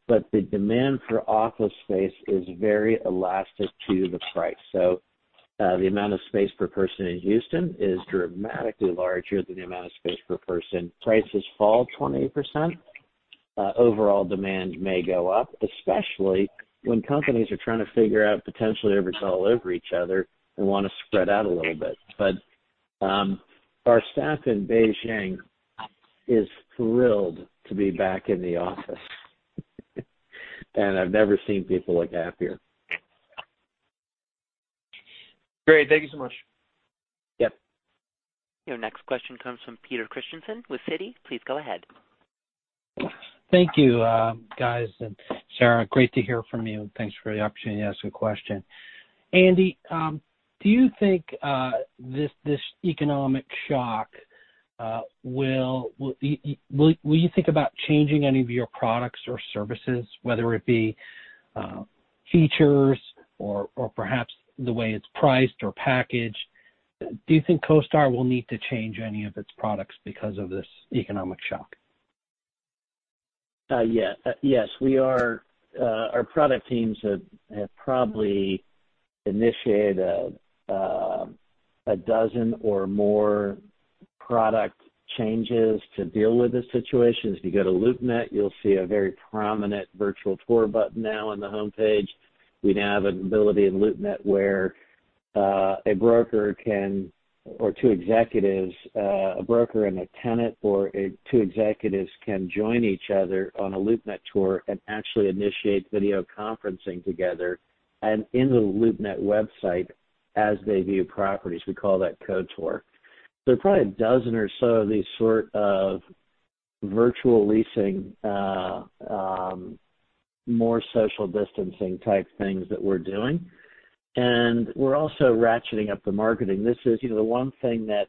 The demand for office space is very elastic to the price. The amount of space per person in Houston is dramatically larger than the amount of space per person. Prices fall 20%, overall demand may go up, especially when companies are trying to figure out potentially everybody's all over each other and want to spread out a little bit. Our staff in Beijing is thrilled to be back in the office, and I've never seen people look happier. Great. Thank you so much. Yep. Your next question comes from Peter Christiansen with Citi. Please go ahead. Thank you, guys, and Sarah, great to hear from you. Thanks for the opportunity to ask a question. Andy, do you think this economic shock will you think about changing any of your products or services, whether it be features or perhaps the way it's priced or packaged? Do you think CoStar will need to change any of its products because of this economic shock? Yes. Our product teams have probably initiated 12 or more product changes to deal with this situation. If you go to LoopNet, you'll see a very prominent virtual tour button now on the homepage. We now have an ability in LoopNet where a broker can, or two executives, a broker and a tenant, or two executives can join each other on a LoopNet tour and actually initiate video conferencing together and in the LoopNet website as they view properties. We call that CoTour. Probably 12 or so of these sort of virtual leasing, more social distancing type things that we're doing. We're also ratcheting up the marketing. The one thing that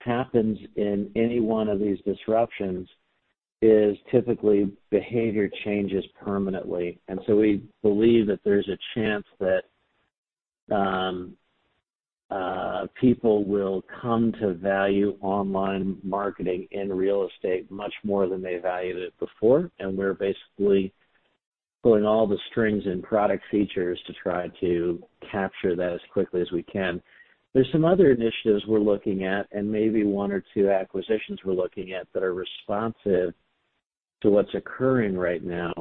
happens in any one of these disruptions is typically behavior changes permanently. We believe that there's a chance that people will come to value online marketing in real estate much more than they valued it before, and we're basically pulling all the strings and product features to try to capture that as quickly as we can. There's some other initiatives we're looking at and maybe one or two acquisitions we're looking at that are responsive to what's occurring right now,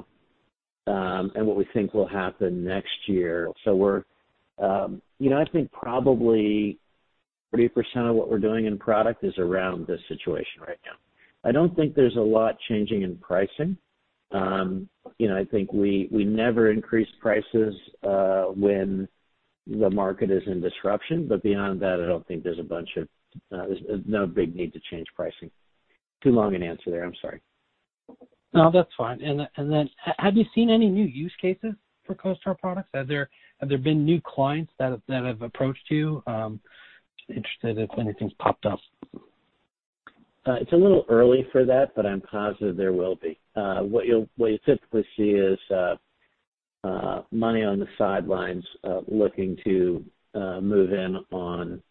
and what we think will happen next year. I think probably 30% of what we're doing in product is around this situation right now. I don't think there's a lot changing in pricing. I think we never increase prices when the market is in disruption. Beyond that, I don't think there's no big need to change pricing. Too long an answer there, I'm sorry. No, that's fine. Have you seen any new use cases for CoStar products? Have there been new clients that have approached you? Interested if anything's popped up. It's a little early for that, but I'm positive there will be. What you'll typically see is money on the sidelines looking to move in on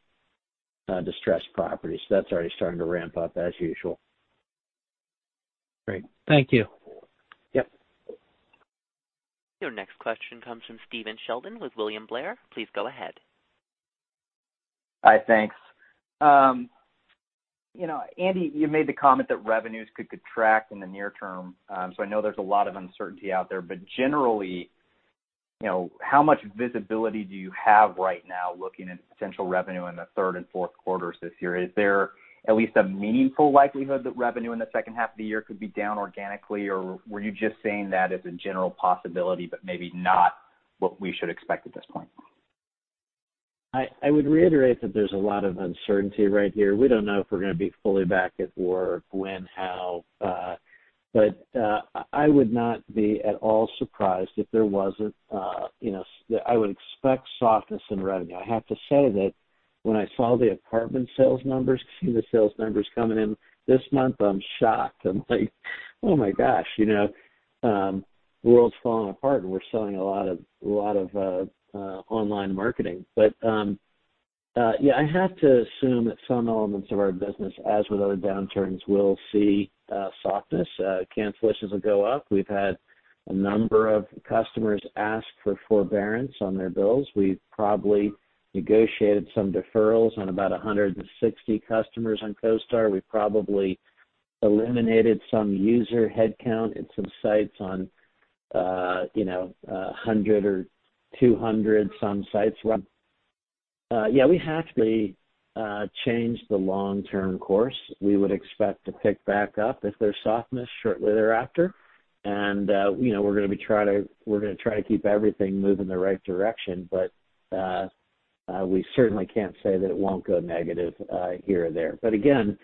distressed properties. That's already starting to ramp up as usual. Great. Thank you. Yep. Your next question comes from Stephen Sheldon with William Blair. Please go ahead. Hi. Thanks. Andy, you made the comment that revenues could contract in the near term. I know there's a lot of uncertainty out there, but generally, how much visibility do you have right now looking at potential revenue in the third and fourth quarters this year? Is there at least a meaningful likelihood that revenue in the second half of the year could be down organically or were you just saying that as a general possibility, but maybe not what we should expect at this point? I would reiterate that there's a lot of uncertainty right here. We don't know if we're going to be fully back at work, when, how. I would not be at all surprised. I would expect softness in revenue. I have to say that when I saw the apartment sales numbers, see the sales numbers coming in this month, I'm shocked. I'm like, Oh my gosh, the world's falling apart, and we're selling a lot of online marketing. Yeah, I have to assume that some elements of our business, as with other downturns, will see softness. Cancellations will go up. We've had a number of customers ask for forbearance on their bills. We've probably negotiated some deferrals on about 160 customers on CoStar. We probably eliminated some user headcount at some sites on 100 or 200 some sites. Yeah, we have to change the long-term course. We would expect to pick back up if there's softness shortly thereafter. We're going to try to keep everything moving in the right direction, but we certainly can't say that it won't go negative here or there. Again,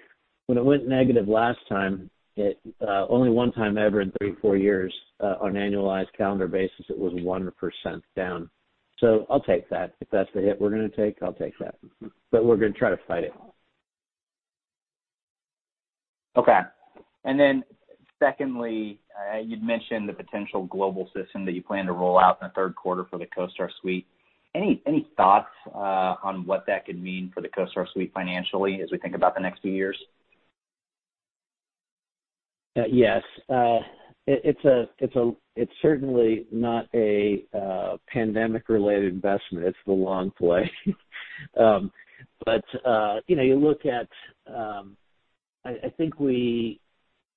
when it went negative last time, it only one time ever in three, four years, on annualized calendar basis, it was 1% down. I'll take that. If that's the hit we're going to take, I'll take that. We're going to try to fight it. Okay. Secondly, you'd mentioned the potential global system that you plan to roll out in the third quarter for the CoStar Suite. Any thoughts on what that could mean for the CoStar Suite financially as we think about the next few years? Yes. It's certainly not a pandemic-related investment. It's the long play.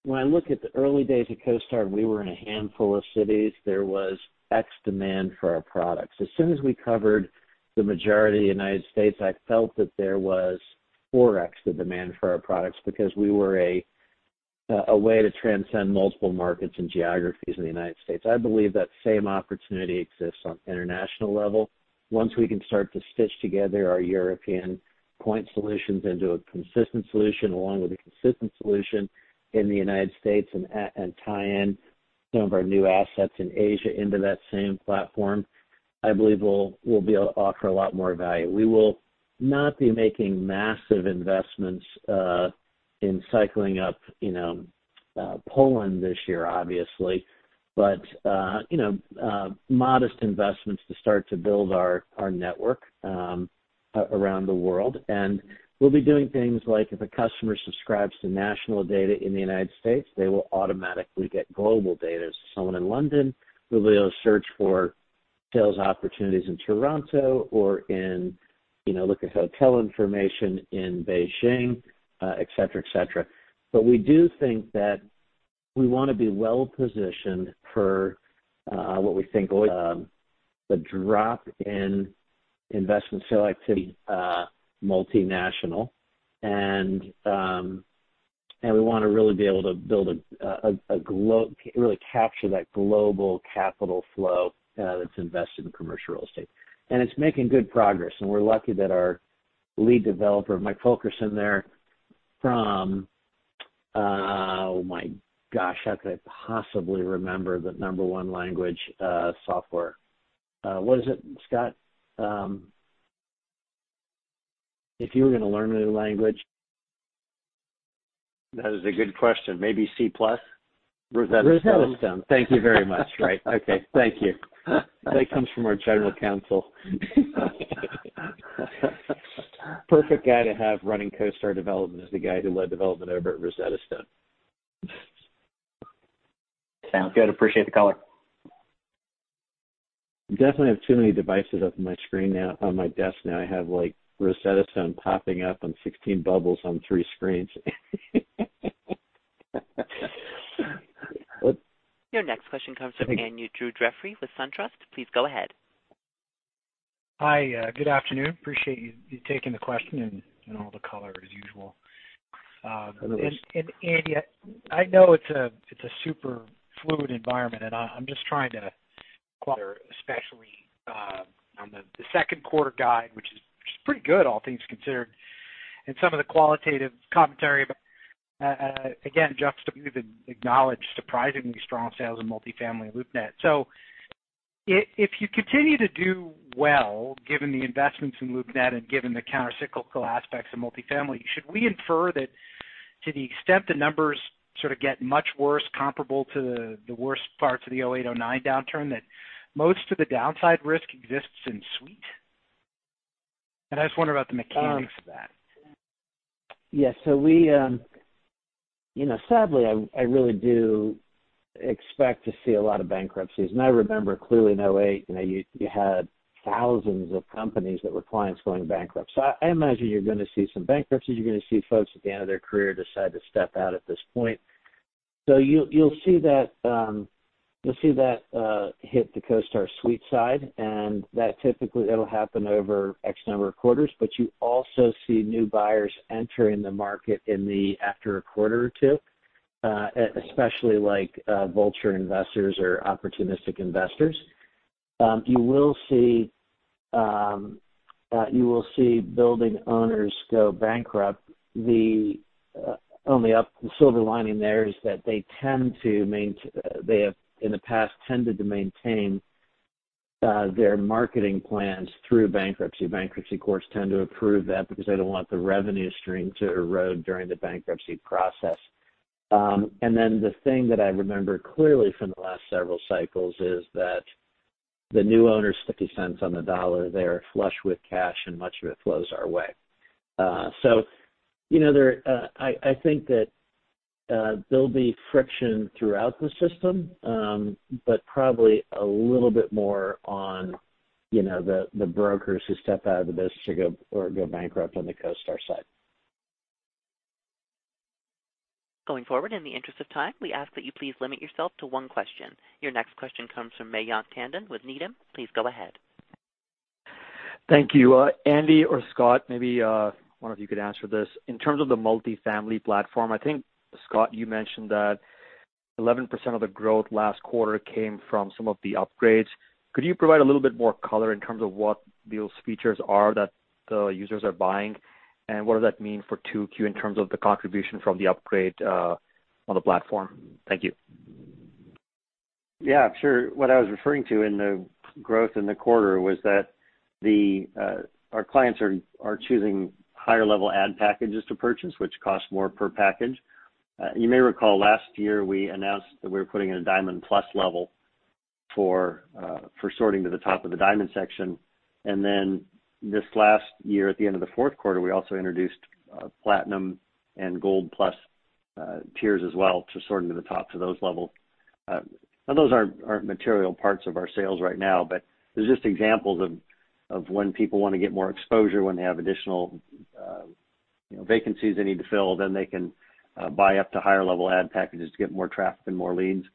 When I look at the early days of CoStar, we were in a handful of cities. There was X demand for our products. As soon as we covered the majority of the U.S., I felt that there was 4X the demand for our products because we were a way to transcend multiple markets and geographies in the U.S. I believe that same opportunity exists on international level. Once we can start to stitch together our European point solutions into a consistent solution along with a consistent solution in the U.S. and tie in some of our new assets in Asia into that same platform, I believe we'll be able to offer a lot more value. We will not be making massive investments in cycling up Poland this year, obviously. Modest investments to start to build our network around the world. We'll be doing things like if a customer subscribes to national data in the U.S., they will automatically get global data. Someone in London will be able to search for sales opportunities in Toronto or look at hotel information in Beijing, et cetera. We do think that we want to be well-positioned for what we think the drop in investment multinational, and we want to really be able to really capture that global capital flow that's invested in commercial real estate. It's making good progress, and we're lucky that our lead developer, Mike Fulkerson there from, oh my gosh, how could I possibly remember the number one language software? What is it, Scott? If you were going to learn another language? That is a good question. Maybe C+? Rosetta Stone. Thank you very much. Right. Okay. Thank you. That comes from our general counsel. Perfect guy to have running CoStar development is the guy who led development over at Rosetta Stone. Sounds good. Appreciate the color. Definitely have too many devices up in my screen now, on my desk now. I have Rosetta Stone popping up on 16 bubbles on three screens. Your next question comes from Andrew Jeffrey with SunTrust. Please go ahead. Hi. Good afternoon. Appreciate you taking the question and all the color as usual. Hello. Yet I know it's a super fluid environment, and I'm just trying to, especially on the second quarter guide, which is pretty good, all things considered, and some of the qualitative commentary about, again, just acknowledge surprisingly strong sales in multifamily LoopNet. If you continue to do well, given the investments in LoopNet and given the countercyclical aspects of multifamily, should we infer that to the extent the numbers sort of get much worse, comparable to the worst parts of the 2008, 2009 downturn, that most of the downside risk exists in Suite? I just wonder about the mechanics of that. Yes. Sadly, I really do expect to see a lot of bankruptcies. I remember clearly in 2008, you had thousands of companies that were clients going bankrupt. I imagine you're going to see some bankruptcies. You're going to see folks at the end of their career decide to step out at this point. You'll see that hit the CoStar Suite side, and that typically it'll happen over X number of quarters, but you also see new buyers enter in the market after a quarter or two, especially vulture investors or opportunistic investors. You will see building owners go bankrupt. The only silver lining there is that they have in the past tended to maintain their marketing plans through bankruptcy. Bankruptcy courts tend to approve that because they don't want the revenue stream to erode during the bankruptcy process. The thing that I remember clearly from the last several cycles is that the new owner, $0.50 on the dollar there, flush with cash, and much of it flows our way. I think that there'll be friction throughout the system, but probably a little bit more on the brokers who step out of the business or go bankrupt on the CoStar side. Going forward, in the interest of time, we ask that you please limit yourself to one question. Your next question comes from Mayank Tandon with Needham. Please go ahead. Thank you. Andy or Scott, maybe one of you could answer this. In terms of the multifamily platform, I think, Scott, you mentioned that 11% of the growth last quarter came from some of the upgrades. Could you provide a little bit more color in terms of what those features are that the users are buying, and what does that mean for 2Q in terms of the contribution from the upgrade on the platform? Thank you. Yeah, sure. What I was referring to in the growth in the quarter was that our clients are choosing higher-level ad packages to purchase, which cost more per package. You may recall last year we announced that we were putting in a Diamond Plus level for sorting to the top of the Diamond section. Then this last year, at the end of the fourth quarter, we also introduced Platinum and Gold Plus tiers as well to sort into the tops of those levels. Now, those aren't material parts of our sales right now, but they're just examples of when people want to get more exposure when they have additional vacancies they need to fill, then they can buy up to higher-level ad packages to get more traffic and more leads.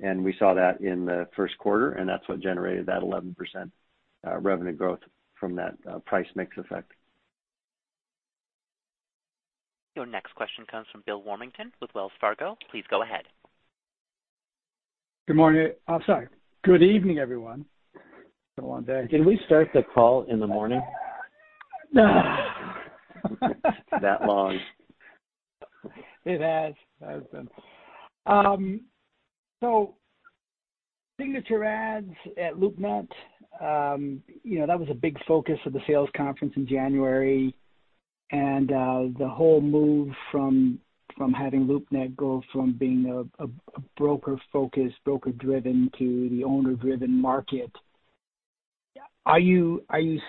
We saw that in the first quarter, and that's what generated that 11% revenue growth from that price mix effect. Your next question comes from Bill Warmington with Wells Fargo. Please go ahead. Good morning. Sorry. Good evening, everyone. It's been a long day. Did we start the call in the morning? No. That long. It has. It has been. Signature Listing at LoopNet, that was a big focus of the sales conference in January. The whole move from having LoopNet go from being a broker-focused, broker-driven to the owner-driven market. Yeah. Are you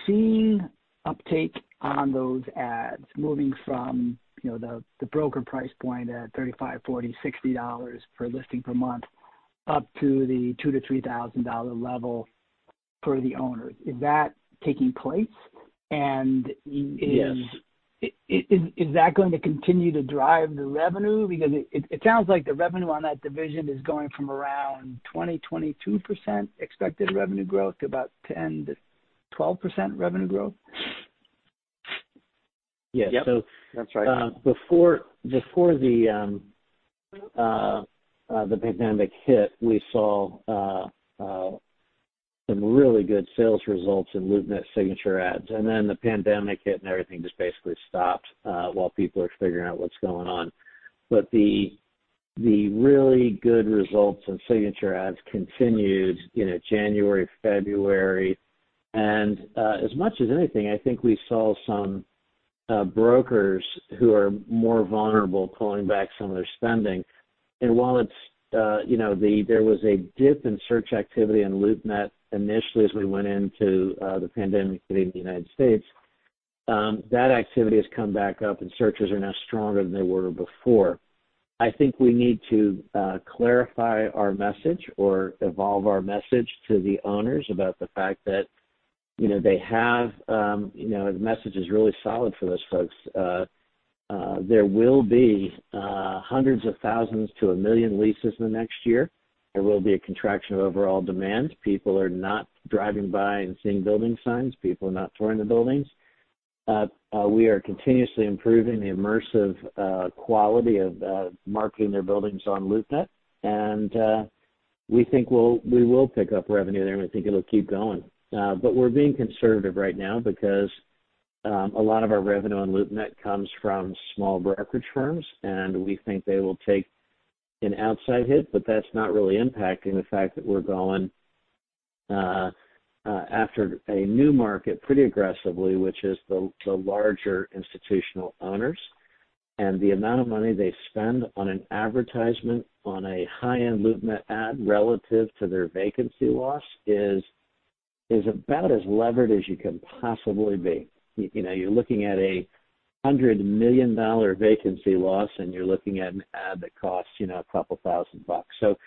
seeing uptake on those ads moving from the broker price point at $35, $40, $60 per listing per month up to the $2,000-$3,000 level per the owner? Is that taking place? Yes Is that going to continue to drive the revenue? It sounds like the revenue on that division is going from around 20%, 22% expected revenue growth to about 10%-12% revenue growth. Yes. Yep. That's right. Before the pandemic hit, we saw some really good sales results in LoopNet Signature Listing. The pandemic hit, and everything just basically stopped while people are figuring out what's going on. The really good results in Signature Listing continued January, February. As much as anything, I think we saw some brokers who are more vulnerable pulling back some of their spending. While there was a dip in search activity in LoopNet initially as we went into the pandemic hitting the United States, that activity has come back up, and searches are now stronger than they were before. I think we need to clarify our message or evolve our message to the owners about the fact that the message is really solid for those folks. There will be hundreds of thousands to 1 million leases in the next year. There will be a contraction of overall demand. People are not driving by and seeing building signs. People are not touring the buildings. We are continuously improving the immersive quality of marketing their buildings on LoopNet, and we think we will pick up revenue there, and we think it'll keep going. We're being conservative right now because a lot of our revenue on LoopNet comes from small brokerage firms, and we think they will take an outside hit, but that's not really impacting the fact that we're going after a new market pretty aggressively, which is the larger institutional owners. The amount of money they spend on an advertisement on a high-end LoopNet ad relative to their vacancy loss is about as levered as you can possibly be. You're looking at a $100 million vacancy loss, and you're looking at an ad that costs a couple thousand dollars.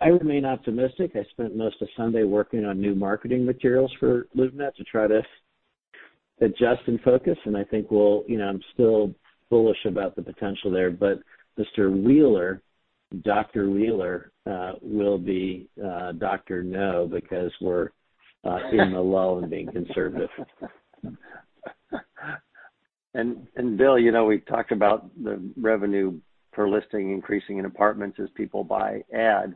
I remain optimistic. I spent most of Sunday working on new marketing materials for LoopNet to adjust and focus, and I think I'm still bullish about the potential there, but Mr. Wheeler, Dr. Wheeler, will be Dr. No, because we're in a lull and being conservative. Bill, we talked about the revenue per listing increasing in apartments as people buy ads.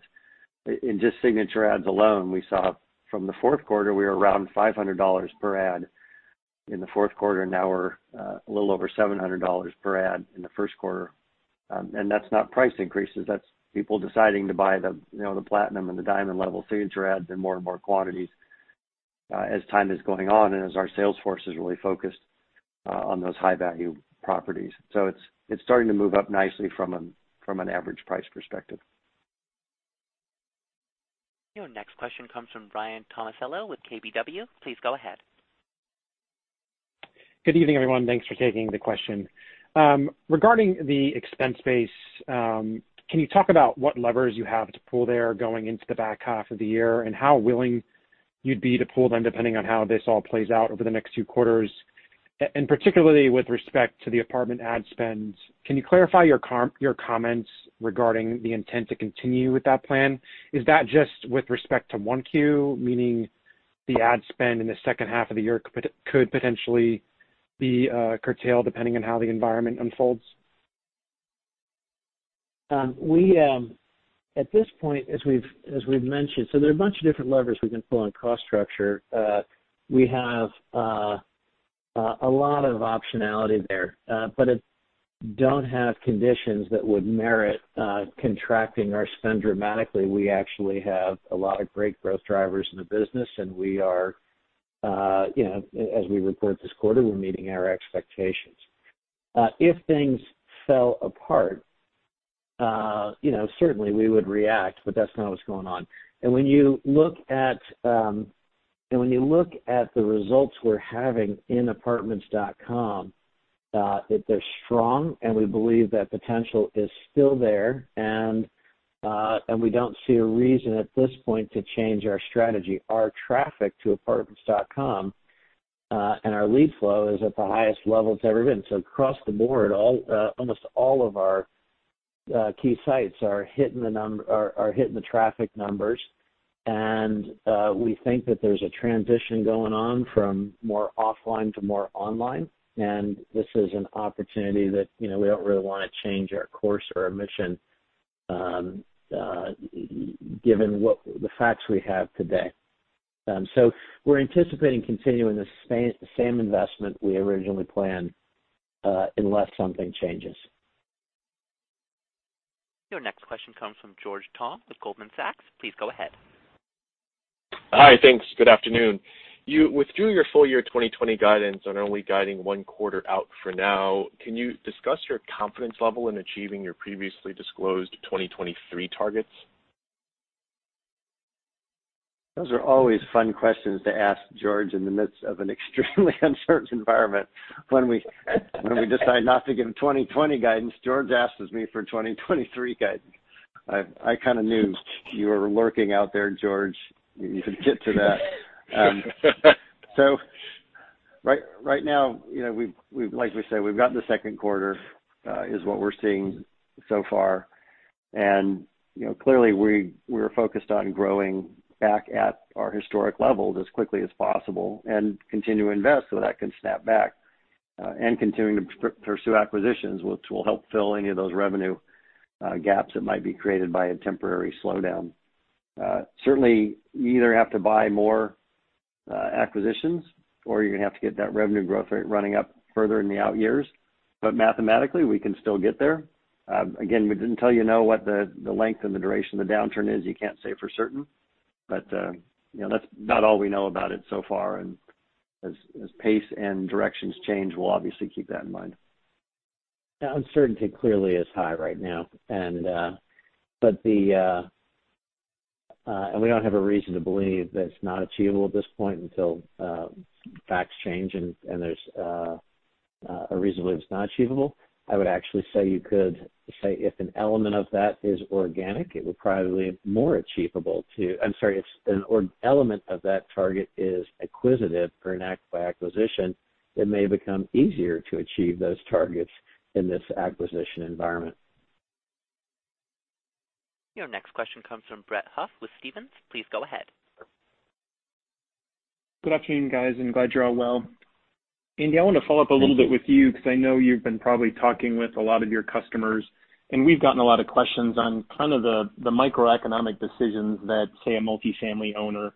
In just Signature Listing alone, we saw from the fourth quarter, we were around $500 per ad in the fourth quarter. Now we're a little over $700 per ad in the first quarter. That's not price increases, that's people deciding to buy the Platinum and the Diamond level Signature Listing in more and more quantities as time is going on and as our sales force is really focused on those high-value properties. It's starting to move up nicely from an average price perspective. Your next question comes from Ryan Tomasello with KBW. Please go ahead. Good evening, everyone. Thanks for taking the question. Regarding the expense base, can you talk about what levers you have to pull there going into the back half of the year, and how willing you'd be to pull them depending on how this all plays out over the next few quarters? Particularly with respect to the apartment ad spend, can you clarify your comments regarding the intent to continue with that plan? Is that just with respect to 1Q, meaning the ad spend in the second half of the year could potentially be curtailed depending on how the environment unfolds? At this point, as we've mentioned, there are a bunch of different levers we can pull on cost structure. We have a lot of optionality there. If we don't have conditions that would merit contracting our spend dramatically, we actually have a lot of great growth drivers in the business, and as we report this quarter, we're meeting our expectations. If things fell apart, certainly we would react, but that's not what's going on. When you look at the results we're having in Apartments.com, they're strong, and we believe that potential is still there, and we don't see a reason at this point to change our strategy. Our traffic to Apartments.com, and our lead flow is at the highest level it's ever been. Across the board, almost all of our key sites are hitting the traffic numbers, and we think that there's a transition going on from more offline to more online, and this is an opportunity that we don't really want to change our course or our mission, given the facts we have today. We're anticipating continuing the same investment we originally planned, unless something changes. Your next question comes from George Tong with Goldman Sachs. Please go ahead. Hi. Thanks. Good afternoon. You withdrew your full-year 2020 guidance and are only guiding one quarter out for now. Can you discuss your confidence level in achieving your previously disclosed 2023 targets? Those are always fun questions to ask, George, in the midst of an extremely uncertain environment. When we decide not to give 2020 guidance, George asks me for 2023 guidance. I kind of knew you were lurking out there, George. You could get to that. Right now, like we said, we've got the second quarter, is what we're seeing so far. Clearly, we're focused on growing back at our historic levels as quickly as possible and continue to invest so that can snap back. Continuing to pursue acquisitions, which will help fill any of those revenue gaps that might be created by a temporary slowdown. Certainly, you either have to buy more acquisitions or you're going to have to get that revenue growth rate running up further in the out years. Mathematically, we can still get there. Again, until you know what the length and the duration of the downturn is, you can't say for certain. That's about all we know about it so far, and as pace and directions change, we'll obviously keep that in mind. Uncertainty clearly is high right now. We don't have a reason to believe that it's not achievable at this point until facts change and there's a reason to believe it's not achievable. I would actually say you could say if an element of that is organic, it would probably be more achievable too. I'm sorry, if an element of that target is acquisitive or by acquisition, it may become easier to achieve those targets in this acquisition environment. Your next question comes from Brett Huff with Stephens. Please go ahead. Good afternoon, guys. I'm glad you're all well. Andy, I want to follow up a little bit with you because I know you've been probably talking with a lot of your customers. We've gotten a lot of questions on kind of the microeconomic decisions that, say, a multifamily owner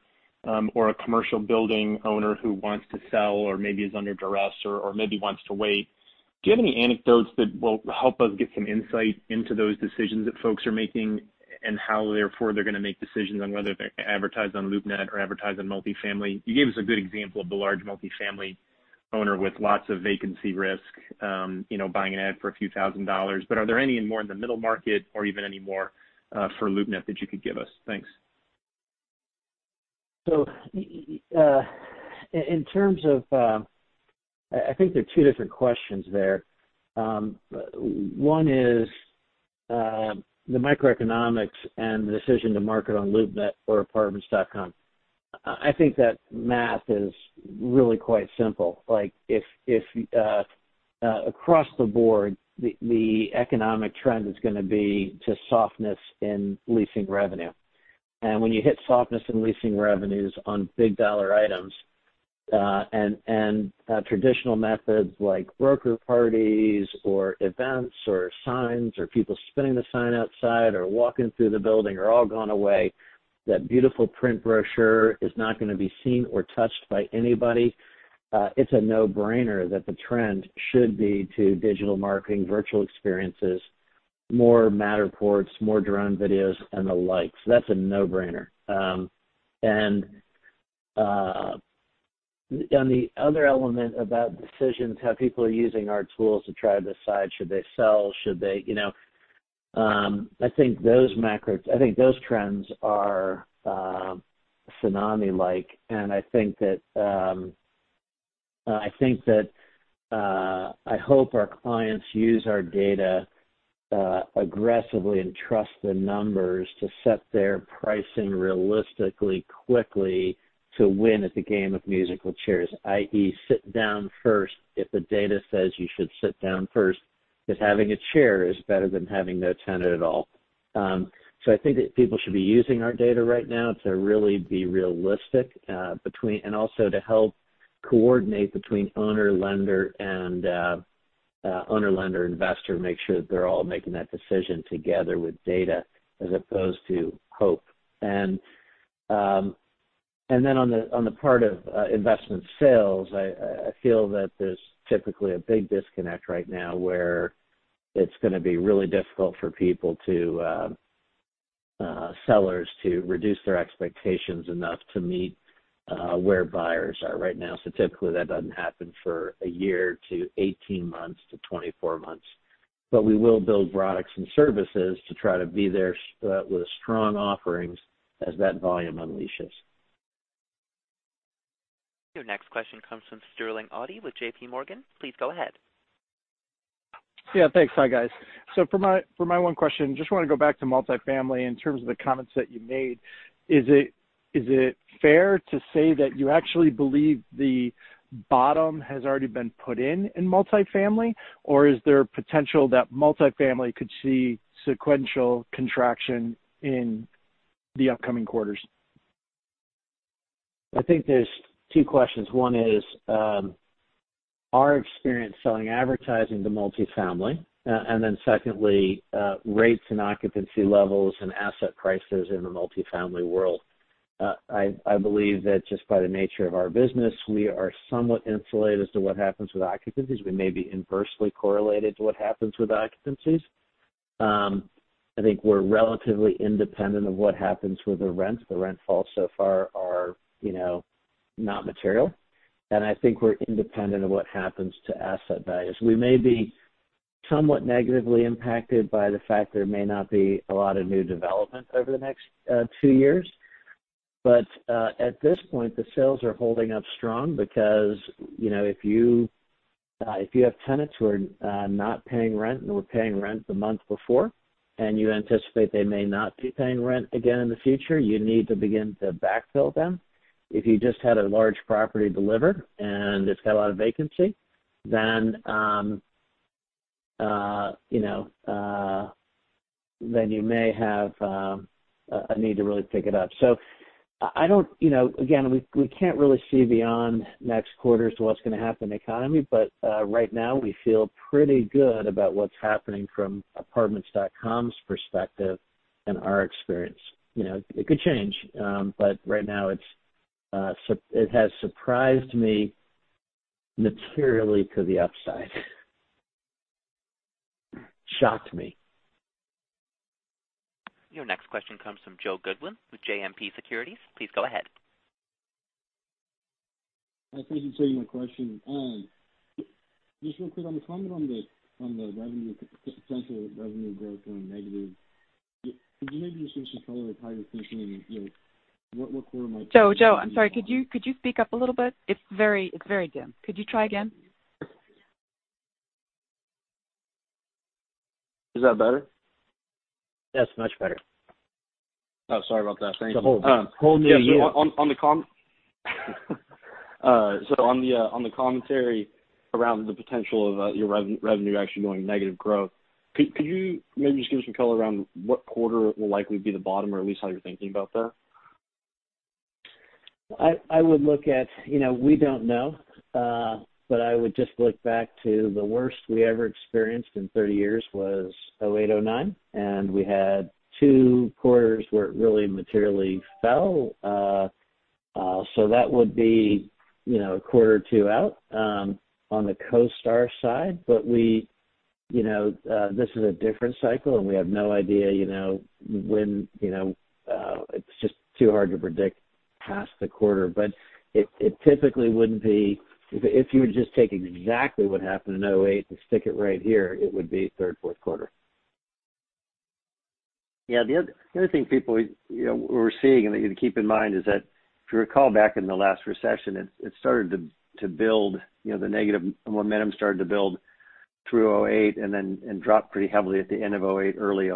or a commercial building owner who wants to sell or maybe is under duress or maybe wants to wait. Do you have any anecdotes that will help us get some insight into those decisions that folks are making and how therefore they're going to make decisions on whether they advertise on LoopNet or advertise on Apartments.com? You gave us a good example of the large multifamily owner with lots of vacancy risk buying an ad for a few thousand dollars. Are there any more in the middle market or even any more for LoopNet that you could give us? Thanks. I think there are two different questions there. One is the microeconomics and the decision to market on LoopNet or Apartments.com. I think that math is really quite simple. Across the board, the economic trend is going to be to softness in leasing revenue. When you hit softness in leasing revenues on big dollar items, and traditional methods like broker parties or events or signs or people spinning the sign outside or walking through the building are all gone away, that beautiful print brochure is not going to be seen or touched by anybody. It's a no-brainer that the trend should be to digital marketing, virtual experiences, more Matterport, more drone videos, and the like. That's a no-brainer. On the other element about decisions, how people are using our tools to try to decide should they sell. I think those trends are tsunami-like, and I hope our clients use our data aggressively and trust the numbers to set their pricing realistically quickly to win at the game of musical chairs, i.e., sit down first if the data says you should sit down first, because having a chair is better than having no tenant at all. I think that people should be using our data right now to really be realistic, and also to help coordinate between owner, lender, and investor, make sure that they're all making that decision together with data as opposed to hope. On the part of investment sales, I feel that there's typically a big disconnect right now where it's going to be really difficult for sellers to reduce their expectations enough to meet where buyers are right now. Typically, that doesn't happen for a year to 18 months-24 months. We will build products and services to try to be there with strong offerings as that volume unleashes. Your next question comes from Sterling Auty with JPMorgan. Please go ahead. Yeah, thanks. Hi, guys. For my one question, just want to go back to multifamily in terms of the comments that you made. Is it fair to say that you actually believe the bottom has already been put in in multifamily, or is there potential that multifamily could see sequential contraction in the upcoming quarters? I think there's two questions. One is our experience selling advertising to multifamily, then secondly, rates and occupancy levels and asset prices in the multifamily world. I believe that just by the nature of our business, we are somewhat insulated as to what happens with occupancies. We may be inversely correlated to what happens with occupancies. I think we're relatively independent of what happens with the rents. The rent falls so far are not material. I think we're independent of what happens to asset values. We may be somewhat negatively impacted by the fact there may not be a lot of new development over the next two years. At this point, the sales are holding up strong because if you have tenants who are not paying rent and were paying rent the month before, and you anticipate they may not be paying rent again in the future, you need to begin to backfill them. If you just had a large property delivered and it's got a lot of vacancy, then you may have a need to really pick it up. Again, we can't really see beyond next quarter as to what's going to happen to the economy. Right now, we feel pretty good about what's happening from Apartments.com's perspective and our experience. It could change, but right now it has surprised me materially to the upside. Shocked me. Your next question comes from Joe Goodwin with JMP Securities. Please go ahead. Thanks. Thanks for taking my question. Just real quick on the comment on the potential revenue growth going negative. Could you maybe just give some color with how you're thinking, what quarter might- Joe, I'm sorry, could you speak up a little bit? It's very dim. Could you try again? Is that better? That's much better. Oh, sorry about that. Thank you. It's a whole new year. On the commentary around the potential of your revenue actually going negative growth, could you maybe just give us some color around what quarter will likely be the bottom, or at least how you're thinking about that? We don't know. I would just look back to the worst we ever experienced in 30 years was 2008, 2009, and we had two quarters where it really materially fell. That would be a quarter or two out on the CoStar side. This is a different cycle, and we have no idea when. It's just too hard to predict past the quarter. If you would just take exactly what happened in 2008 and stick it right here, it would be third, fourth quarter. The other thing we're seeing, and to keep in mind, is that if you recall back in the last recession, the negative momentum started to build through 2008 and dropped pretty heavily at the end of 2008, early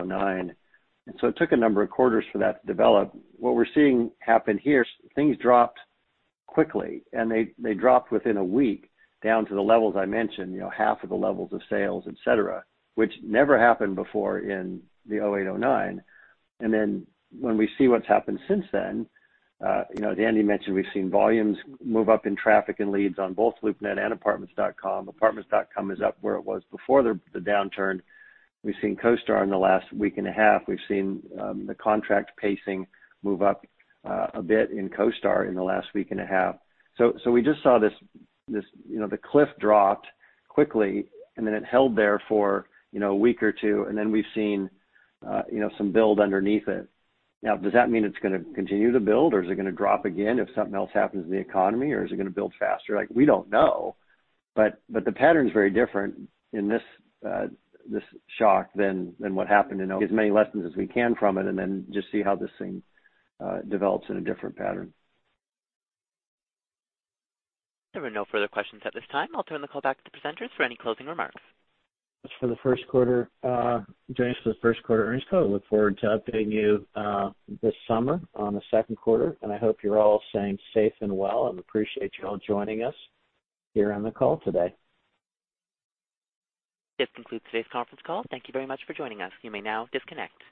2009. It took a number of quarters for that to develop. What we're seeing happen here, things dropped quickly, and they dropped within a week down to the levels I mentioned, half of the levels of sales, et cetera, which never happened before in the 2008, 2009. When we see what's happened since then, as Andy mentioned, we've seen volumes move up in traffic and leads on both LoopNet and Apartments.com. Apartments.com is up where it was before the downturn. We've seen CoStar in the last week and a half. We've seen the contract pacing move up a bit in CoStar in the last week and a half. We just saw the cliff dropped quickly, and then it held there for a week or two, and then we've seen some build underneath it. Now, does that mean it's going to continue to build, or is it going to drop again if something else happens in the economy, or is it going to build faster? We don't know, but the pattern's very different in this shock than what happened in 2008. As many lessons as we can from it, and then just see how this thing develops in a different pattern. There are no further questions at this time. I'll turn the call back to presenters for any closing remarks. Thanks for joining us for the first quarter earnings call. I look forward to updating you this summer on the second quarter, and I hope you're all staying safe and well and appreciate you all joining us here on the call today. This concludes today's conference call. Thank you very much for joining us. You may now disconnect.